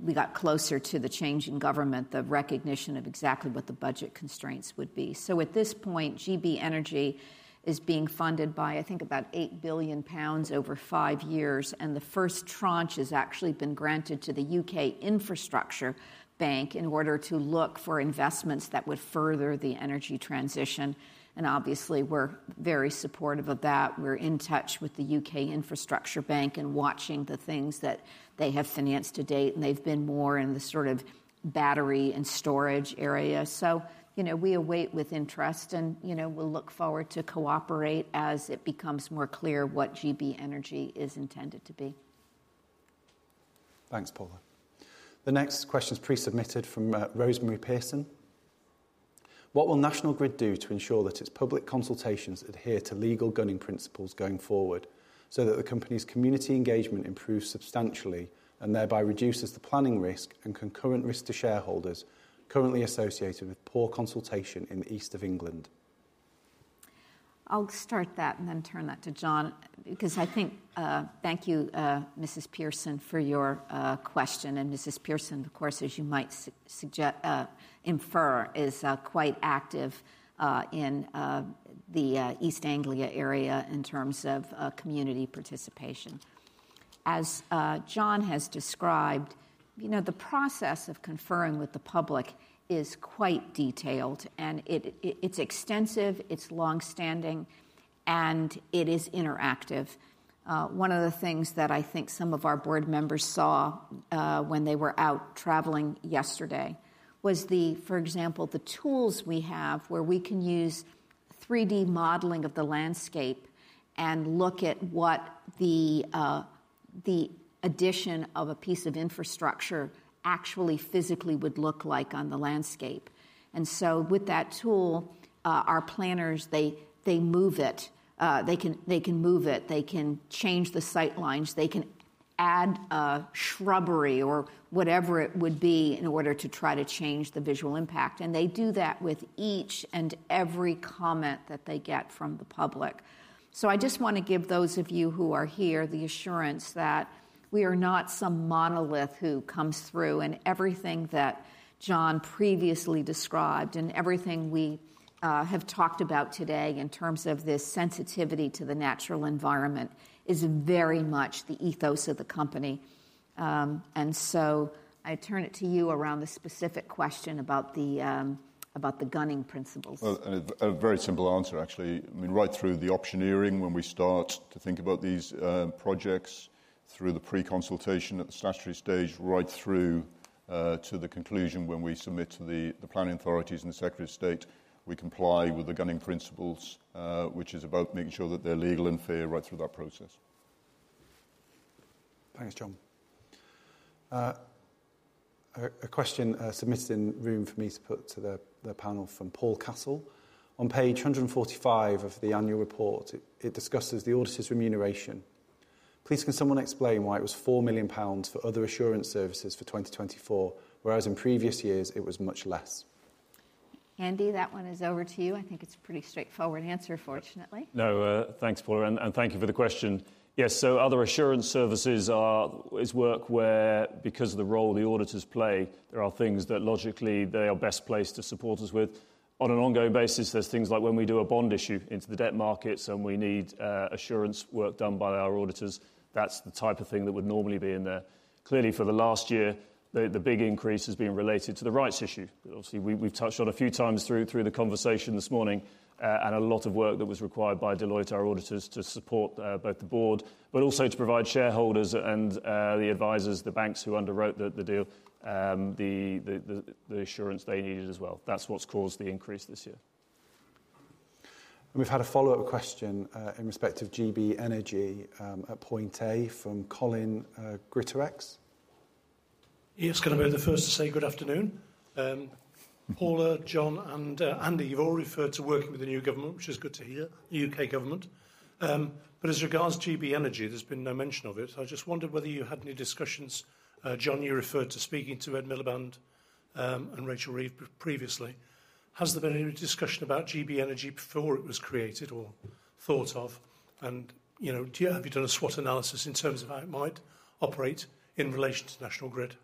we got closer to the change in government, the recognition of exactly what the budget constraints would be. So at this point, GB Energy is being funded by, I think, about 8 billion pounds over five years, and the first tranche has actually been granted to the UK Infrastructure Bank in order to look for investments that would further the energy transition. Obviously, we're very supportive of that. We're in touch with the UK Infrastructure Bank and watching the things that they have financed to date, and they've been more in the sort of battery and storage area. you know, we await with interest, and, you know, we'll look forward to cooperate as it becomes more clear what GB Energy is intended to be. Thanks, Paula. The next question is pre-submitted from Rosemary Pearson: What will National Grid do to ensure that its public consultations adhere to legal Gunning Principles going forward, so that the company's community engagement improves substantially and thereby reduces the planning risk and concurrent risk to shareholders currently associated with poor consultation in the East of England? I'll start that and then turn that to John, because I think, Thank you, Mrs. Pearson, for your question. And Mrs. Pearson, of course, as you might infer, is quite active in the East Anglia area in terms of community participation.... as John has described, you know, the process of conferring with the public is quite detailed, and it's extensive, it's long-standing, and it is interactive. One of the things that I think some of our board members saw when they were out traveling yesterday was, for example, the tools we have where we can use 3D modeling of the landscape and look at what the addition of a piece of infrastructure actually physically would look like on the landscape. And so with that tool, our planners, they move it. They can, they can move it, they can change the sight lines, they can add a shrubbery or whatever it would be in order to try to change the visual impact, and they do that with each and every comment that they get from the public. So I just want to give those of you who are here the assurance that we are not some monolith who comes through, and everything that John previously described, and everything we have talked about today in terms of this sensitivity to the natural environment, is very much the ethos of the company. So I turn it to you around the specific question about the Gunning Principles. Well, a very simple answer, actually. I mean, right through the auctioneering, when we start to think about these projects, through the pre-consultation at the statutory stage, right through to the conclusion, when we submit to the planning authorities and the Secretary of State, we comply with the Gunning Principles, which is about making sure that they're legal and fair right through that process. Thanks, John. A question submitted in room for me to put to the panel from Paul Castle. On page 145 of the annual report, it discusses the auditors' remuneration. Please, can someone explain why it was 4 million pounds for other assurance services for 2024, whereas in previous years it was much less? Andy, that one is over to you. I think it's a pretty straightforward answer, fortunately. No, thanks, Paula, and thank you for the question. Yes, so other assurance services are, is work where, because of the role the auditors play, there are things that logically they are best placed to support us with. On an ongoing basis, there's things like when we do a bond issue into the debt markets, and we need assurance work done by our auditors. That's the type of thing that would normally be in there. Clearly, for the last year, the big increase has been related to the rights issue. Obviously, we, we've touched on a few times through the conversation this morning, and a lot of work that was required by Deloitte, our auditors, to support both the board, but also to provide shareholders and the advisors, the banks who underwrote the deal, the assurance they needed as well. That's what's caused the increase this year. We've had a follow-up question in respect of GB Energy from Colin Greatorex. Yes, can I be the first to say good afternoon? Paula, John, and Andy, you've all referred to working with the new government, which is good to hear, U.K. government. But as regards to GB Energy, there's been no mention of it. So I just wondered whether you had any discussions. John, you referred to speaking to Ed Miliband and Rachel Reeves previously. Has there been any discussion about GB Energy before it was created or thought of? And, you know, have you done a SWOT analysis in terms of how it might operate in relation to National Grid?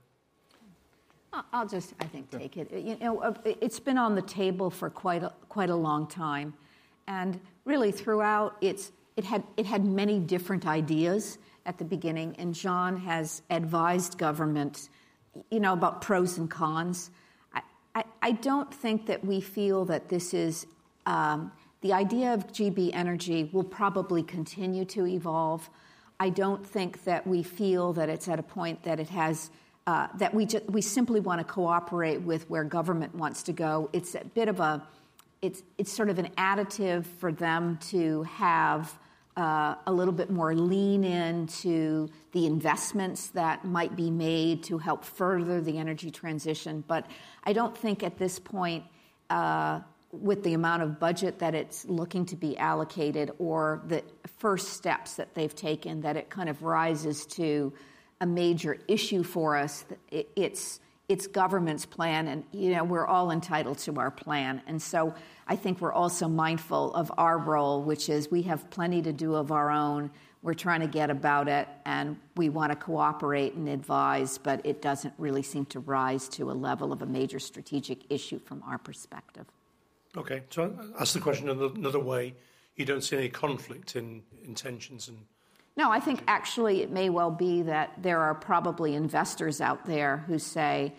I'll just take it, I think. You know, it's been on the table for quite a long time, and really throughout its. it had many different ideas at the beginning, and John has advised government, you know, about pros and cons. I don't think that we feel that this is... The idea of GB Energy will probably continue to evolve. I don't think that we feel that it's at a point that it has, that we simply want to cooperate with where government wants to go. It's a bit of a, it's sort of an additive for them to have, a little bit more lean in to the investments that might be made to help further the energy transition. But I don't think at this point, with the amount of budget that it's looking to be allocated or the first steps that they've taken, that it kind of rises to a major issue for us. It's government's plan, and, you know, we're all entitled to our plan. So I think we're also mindful of our role, which is we have plenty to do of our own. We're trying to get about it, and we want to cooperate and advise, but it doesn't really seem to rise to a level of a major strategic issue from our perspective. Okay, so I'll ask the question another, another way. You don't see any conflict in intentions and- No, I think actually it may well be that there are probably investors out there who say,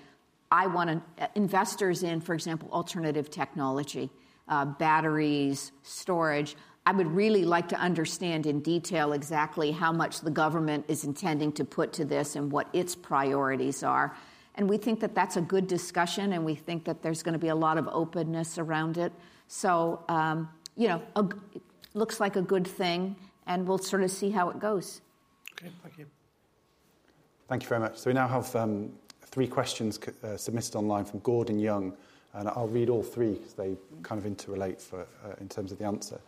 "I want to" investors in, for example, alternative technology, batteries, storage. I would really like to understand in detail exactly how much the government is intending to put to this and what its priorities are. And we think that that's a good discussion, and we think that there's gonna be a lot of openness around it. So, you know, looks like a good thing, and we'll sort of see how it goes. Okay, thank you. Thank you very much. So we now have three questions submitted online from Gordon Young, and I'll read all three because they kind of interrelate for, in terms of the answer.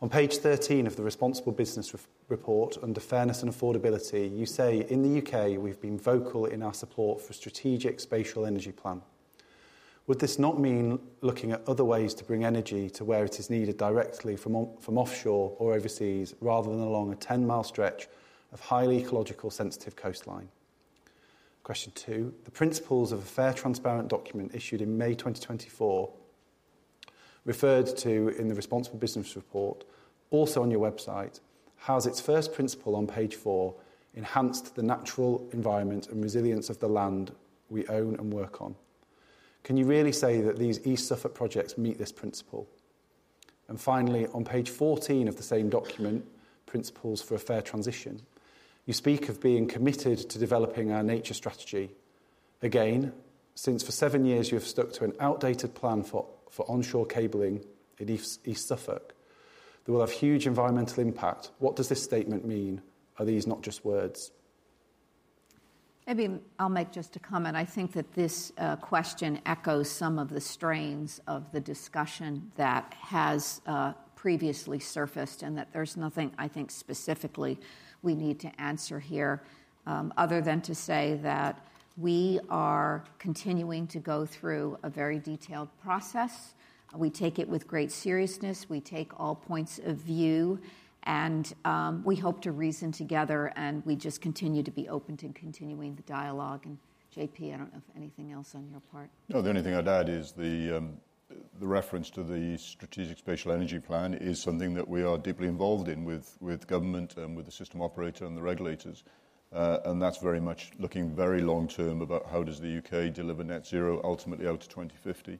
On page 13 of the Responsible Business Report, under fairness and affordability, you say: "In the UK, we've been vocal in our support for Strategic Spatial Energy Plan." Would this not mean looking at other ways to bring energy to where it is needed directly from offshore or overseas, rather than along a 10-mile stretch of highly ecologically sensitive coastline? Question two: The principles of a fair, transparent document issued in May 2024 referred to in the Responsible Business Report, also on your website, has its first principle on page four: enhanced the natural environment and resilience of the land we own and work on. Can you really say that these East Suffolk projects meet this principle? And finally, on page 14 of the same document, Principles for a Fair Transition, you speak of being committed to developing our nature strategy. Again, since for seven years you have stuck to an outdated plan for onshore cabling in East Suffolk, that will have huge environmental impact, what does this statement mean? Are these not just words? Maybe I'll make just a comment. I think that this question echoes some of the strains of the discussion that has previously surfaced, and that there's nothing, I think, specifically we need to answer here other than to say that we are continuing to go through a very detailed process. We take it with great seriousness, we take all points of view, and we hope to reason together, and we just continue to be open to continuing the dialogue. And, JP, I don't know if anything else on your part. No, the only thing I'd add is the reference to the Strategic Spatial Energy Plan is something that we are deeply involved in with government and with the system operator and the regulators. And that's very much looking very long-term about how does the UK deliver net zero, ultimately out to 2050.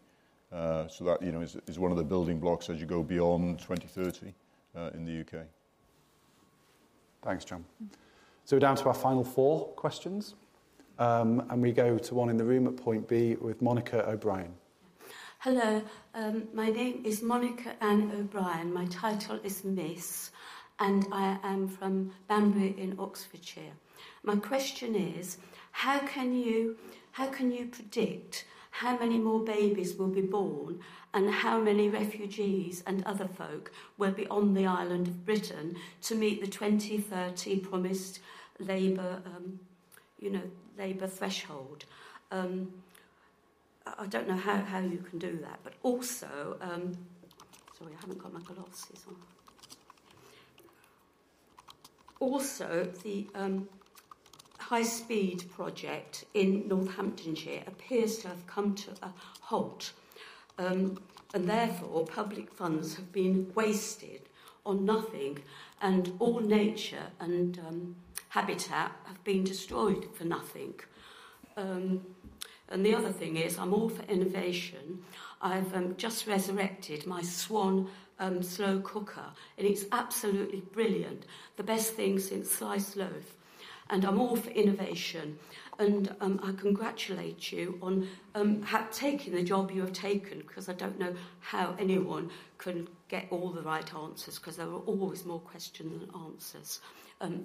So that, you know, is one of the building blocks as you go beyond 2030 in the UK. Thanks, John. So we're down to our final four questions. And we go to one in the room at Point B with Monica O'Brien. Hello. My name is Monica Ann O'Brien. My title is Miss, and I am from Banbury in Oxfordshire. My question is: how can you, how can you predict how many more babies will be born and how many refugees and other folk will be on the island of Britain to meet the 2030 promised Labour, you know, Labour threshold? I don't know how, how you can do that, but also. Sorry, I haven't got my glasses on. Also, the high-speed project in Northamptonshire appears to have come to a halt, and therefore, public funds have been wasted on nothing, and all nature and habitat have been destroyed for nothing. And the other thing is, I'm all for innovation. I've just resurrected my Swan slow cooker, and it's absolutely brilliant, the best thing since sliced loaf, and I'm all for innovation, and I congratulate you on taking the job you have taken, 'cause I don't know how anyone can get all the right answers, 'cause there are always more questions than answers.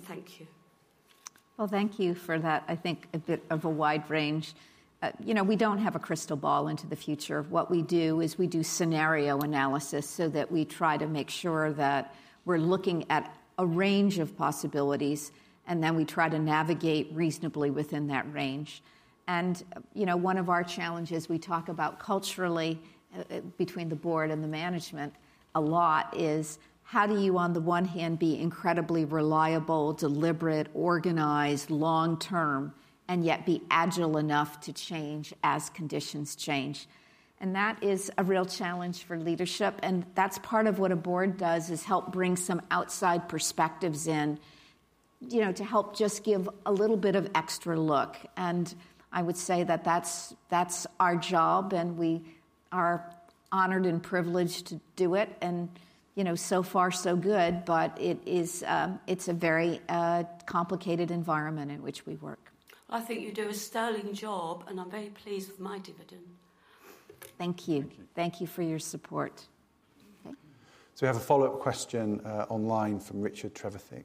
Thank you. Well, thank you for that, I think, a bit of a wide range. You know, we don't have a crystal ball into the future. What we do is we do scenario analysis, so that we try to make sure that we're looking at a range of possibilities, and then we try to navigate reasonably within that range. You know, one of our challenges we talk about culturally, between the board and the management a lot, is how do you, on the one hand, be incredibly reliable, deliberate, organized, long-term, and yet be agile enough to change as conditions change? That is a real challenge for leadership, and that's part of what a board does, is help bring some outside perspectives in, you know, to help just give a little bit of extra look. I would say that that's, that's our job, and we are honored and privileged to do it and, you know, so far, so good, but it is, it's a very complicated environment in which we work. I think you do a sterling job, and I'm very pleased with my dividend. Thank you, thanThank you for your support. So we have a follow-up question online from Richard Trevithick: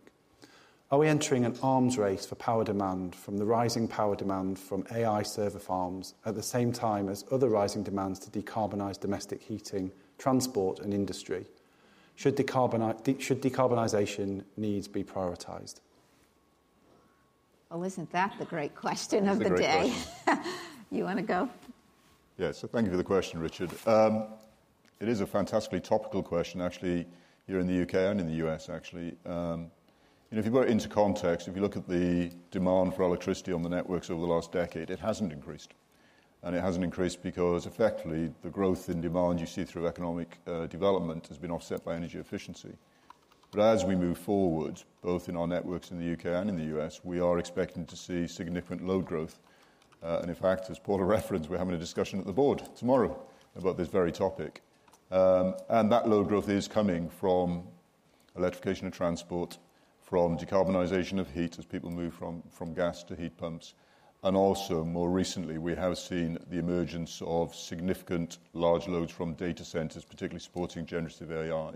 Are we entering an arms race for power demand from the rising power demand from AI server farms at the same time as other rising demands to decarbonize domestic heating, transport, and industry? Should decarbonization needs be prioritized? Well, isn't that the great question of the day? It's a great question. You wanna go? Yeah. So thank you for the question, Richard. It is a fantastically topical question, actually, here in the U.K. and in the U.S., actually. And if you put it into context, if you look at the demand for electricity on the networks over the last decade, it hasn't increased, and it hasn't increased because effectively, the growth in demand you see through economic development has been offset by energy efficiency. But as we move forward, both in our networks in the U.K. and in the U.S., we are expecting to see significant load growth. And in fact, as a point of reference, we're having a discussion at the board tomorrow about this very topic. And that load growth is coming from electrification of transport, from decarbonization of heat as people move from gas to heat pumps, and also, more recently, we have seen the emergence of significant large loads from data centers, particularly supporting generative A.I.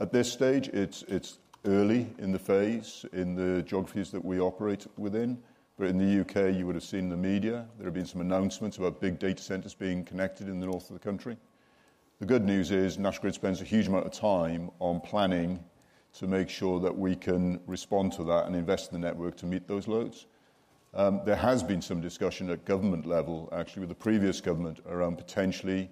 At this stage, it's early in the phase, in the geographies that we operate within, but in the U.K., you would have seen in the media, there have been some announcements about big data centers being connected in the north of the country. The good news is, National Grid spends a huge amount of time on planning to make sure that we can respond to that and invest in the network to meet those loads. There has been some discussion at government level, actually with the previous government, around potentially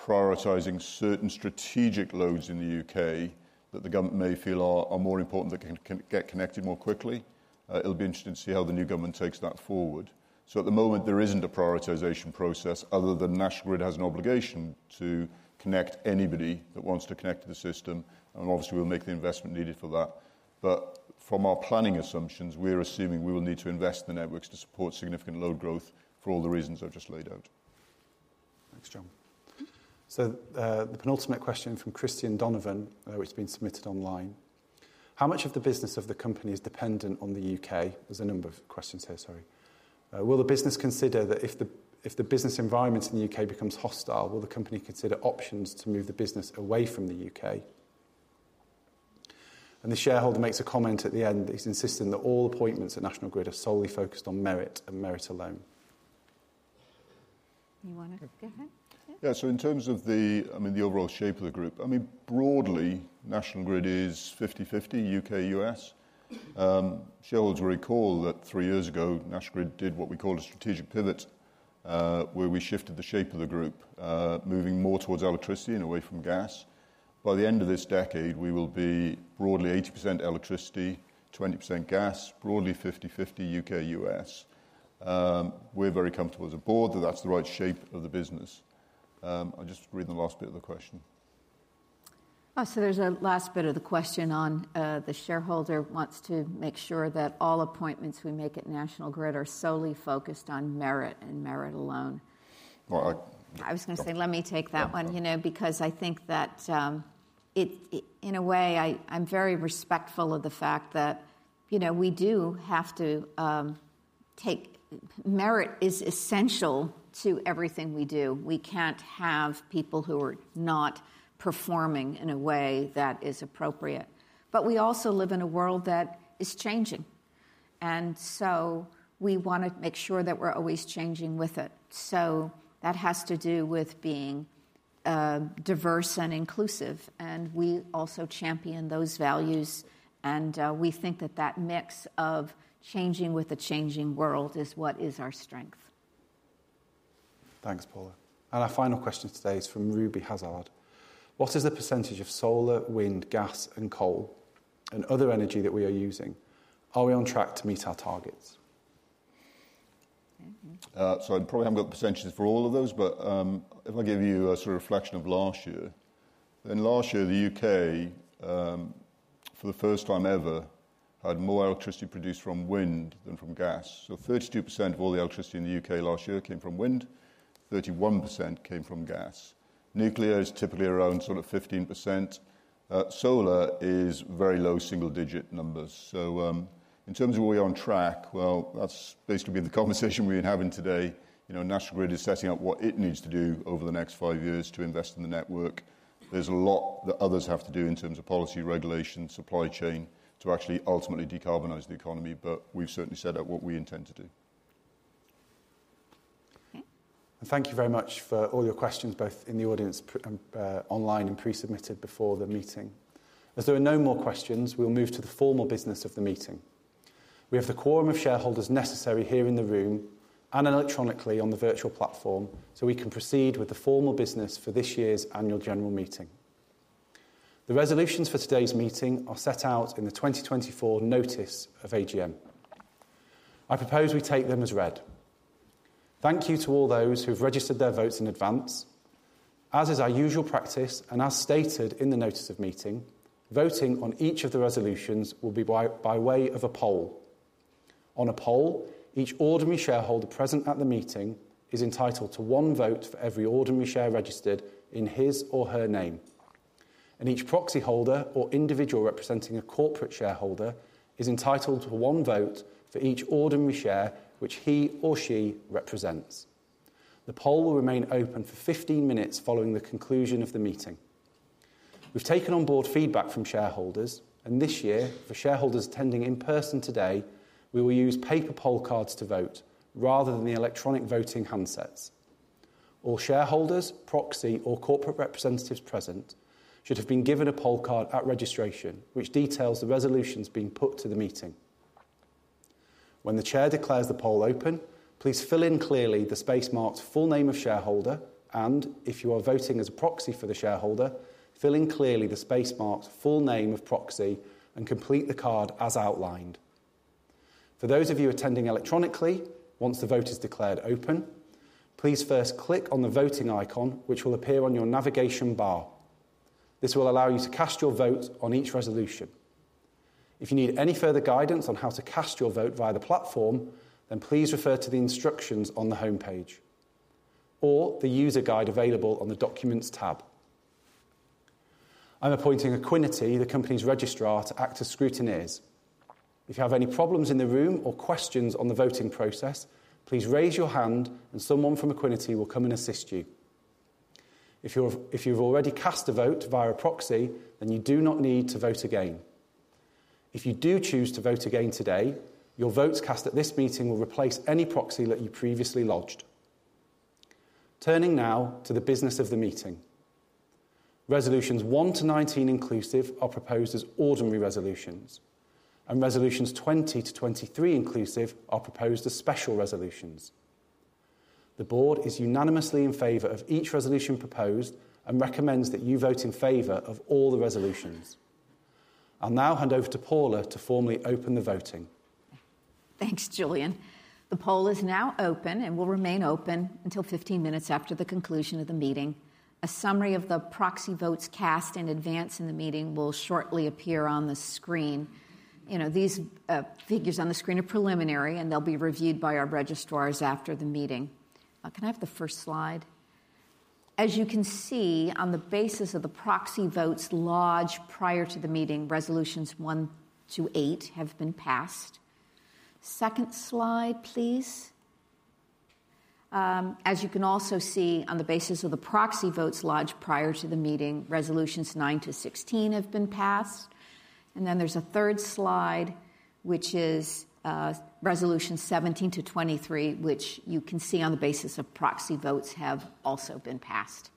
prioritizing certain strategic loads in the UK that the government may feel are, are more important, that can, can get connected more quickly. It'll be interesting to see how the new government takes that forward. So at the moment, there isn't a prioritization process other than National Grid has an obligation to connect anybody that wants to connect to the system, and obviously, we'll make the investment needed for that. But from our planning assumptions, we're assuming we will need to invest in the networks to support significant load growth for all the reasons I've just laid out. Thanks, John. So, the penultimate question from Christian Donovan, which has been submitted online: How much of the business of the company is dependent on the UK? There's a number of questions here, sorry. Will the business consider that if the business environment in the UK becomes hostile, will the company consider options to move the business away from the UK? And the shareholder makes a comment at the end. He's insisting that all appointments at National Grid are solely focused on merit and merit alone. You wanna go ahead? Yeah. So in terms of the, I mean, the overall shape of the group, I mean, broadly, National Grid is 50/50, UK/US. Shareholders will recall that three years ago, National Grid did what we called a strategic pivot, where we shifted the shape of the group, moving more towards electricity and away from gas. By the end of this decade, we will be broadly 80% electricity, 20% gas, broadly 50/50 UK/US. We're very comfortable as a board that that's the right shape of the business. I'll just read the last bit of the question. So there's a last bit of the question on, the shareholder wants to make sure that all appointments we make at National Grid are solely focused on merit and merit alone. Well, I- I was gonna say, let me take that one, you know, because I think that, it, in a way, I'm very respectful of the fact that, you know, we do have to take. Merit is essential to everything we do. We can't have people who are not performing in a way that is appropriate. But we also live in a world that is changing, and so we want to make sure that we're always changing with it. So that has to do with being diverse and inclusive, and we also champion those values, and we think that that mix of changing with the changing world is what is our strength. Thanks, Paula. Our final question today is from Ruby Hazard: What is the percentage of solar, wind, gas, and coal and other energy that we are using? Are we on track to meet our targets? Mm-hmm. So I probably haven't got percentages for all of those, but if I give you a sort of reflection of last year. Then last year, the U.K., for the first time ever, had more electricity produced from wind than from gas. So 32% of all the electricity in the U.K. last year came from wind, 31% came from gas. Nuclear is typically around sort of 15%. Solar is very low, single-digit numbers. So in terms of are we on track, well, that's basically been the conversation we've been having today. You know, National Grid is setting out what it needs to do over the next five years to invest in the network. There's a lot that others have to do in terms of policy, regulation, supply chain, to actually ultimately decarbonize the economy, but we've certainly set out what we intend to do. Mm-hmm. And thank you very much for all your questions, both in the audience, present, and online and pre-submitted before the meeting. As there are no more questions, we'll move to the formal business of the meeting. We have the quorum of shareholders necessary here in the room and electronically on the virtual platform, so we can proceed with the formal business for this year's annual general meeting. The resolutions for today's meeting are set out in the 2024 notice of AGM. I propose we take them as read. Thank you to all those who've registered their votes in advance. As is our usual practice and as stated in the notice of meeting, voting on each of the resolutions will be by way of a poll. On a poll, each ordinary shareholder present at the meeting is entitled to one vote for every ordinary share registered in his or her name, and each proxy holder or individual representing a corporate shareholder is entitled to one vote for each ordinary share which he or she represents. The poll will remain open for 15 minutes following the conclusion of the meeting. We've taken on board feedback from shareholders, and this year, for shareholders attending in person today, we will use paper poll cards to vote, rather than the electronic voting handsets. All shareholders, proxy, or corporate representatives present should have been given a poll card at registration, which details the resolutions being put to the meeting. When the Chair declares the poll open, please fill in clearly the space marked "Full name of shareholder," and if you are voting as a proxy for the shareholder, fill in clearly the space marked "Full name of proxy" and complete the card as outlined. For those of you attending electronically, once the vote is declared open, please first click on the voting icon, which will appear on your navigation bar. This will allow you to cast your vote on each resolution. If you need any further guidance on how to cast your vote via the platform, then please refer to the instructions on the homepage or the user guide available on the Documents tab. I'm appointing Equiniti, the company's registrar, to act as scrutineers. If you have any problems in the room or questions on the voting process, please raise your hand, and someone from Equiniti will come and assist you. If you've already cast a vote via a proxy, then you do not need to vote again. If you do choose to vote again today, your votes cast at this meeting will replace any proxy that you previously lodged. Turning now to the business of the meeting. Resolutions 1 to 19 inclusive are proposed as ordinary resolutions, and resolutions 20 to 23 inclusive are proposed as special resolutions. The Board is unanimously in favor of each resolution proposed and recommends that you vote in favor of all the resolutions. I'll now hand over to Paula to formally open the voting. Thanks, Julian. The poll is now open and will remain open until 15 minutes after the conclusion of the meeting. A summary of the proxy votes cast in advance in the meeting will shortly appear on the screen. You know, these figures on the screen are preliminary, and they'll be reviewed by our registrars after the meeting. Can I have the first slide? As you can see, on the basis of the proxy votes lodged prior to the meeting, resolutions 1 to 8 have been passed. Second slide, please. As you can also see, on the basis of the proxy votes lodged prior to the meeting, resolutions 9 to 16 have been passed. And then there's a third slide, which is resolution 17 to 23, which you can see on the basis of proxy votes have also been passed.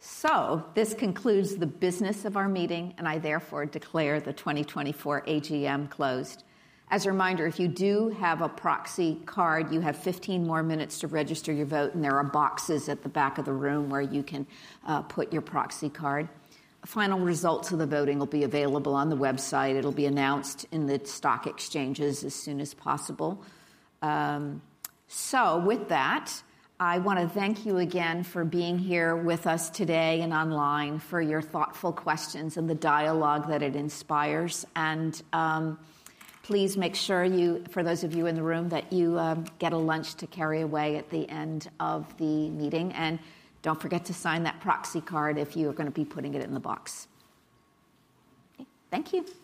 So this concludes the business of our meeting, and I therefore declare the 2024 AGM closed. As a reminder, if you do have a proxy card, you have 15 more minutes to register your vote, and there are boxes at the back of the room where you can put your proxy card. Final results of the voting will be available on the website. It'll be announced in the stock exchanges as soon as possible. So with that, I want to thank you again for being here with us today and online, for your thoughtful questions and the dialogue that it inspires. And please make sure you, for those of you in the room, that you get a lunch to carry away at the end of the meeting. And don't forget to sign that proxy card if you are gonna be putting it in the box. Thank you. Bye.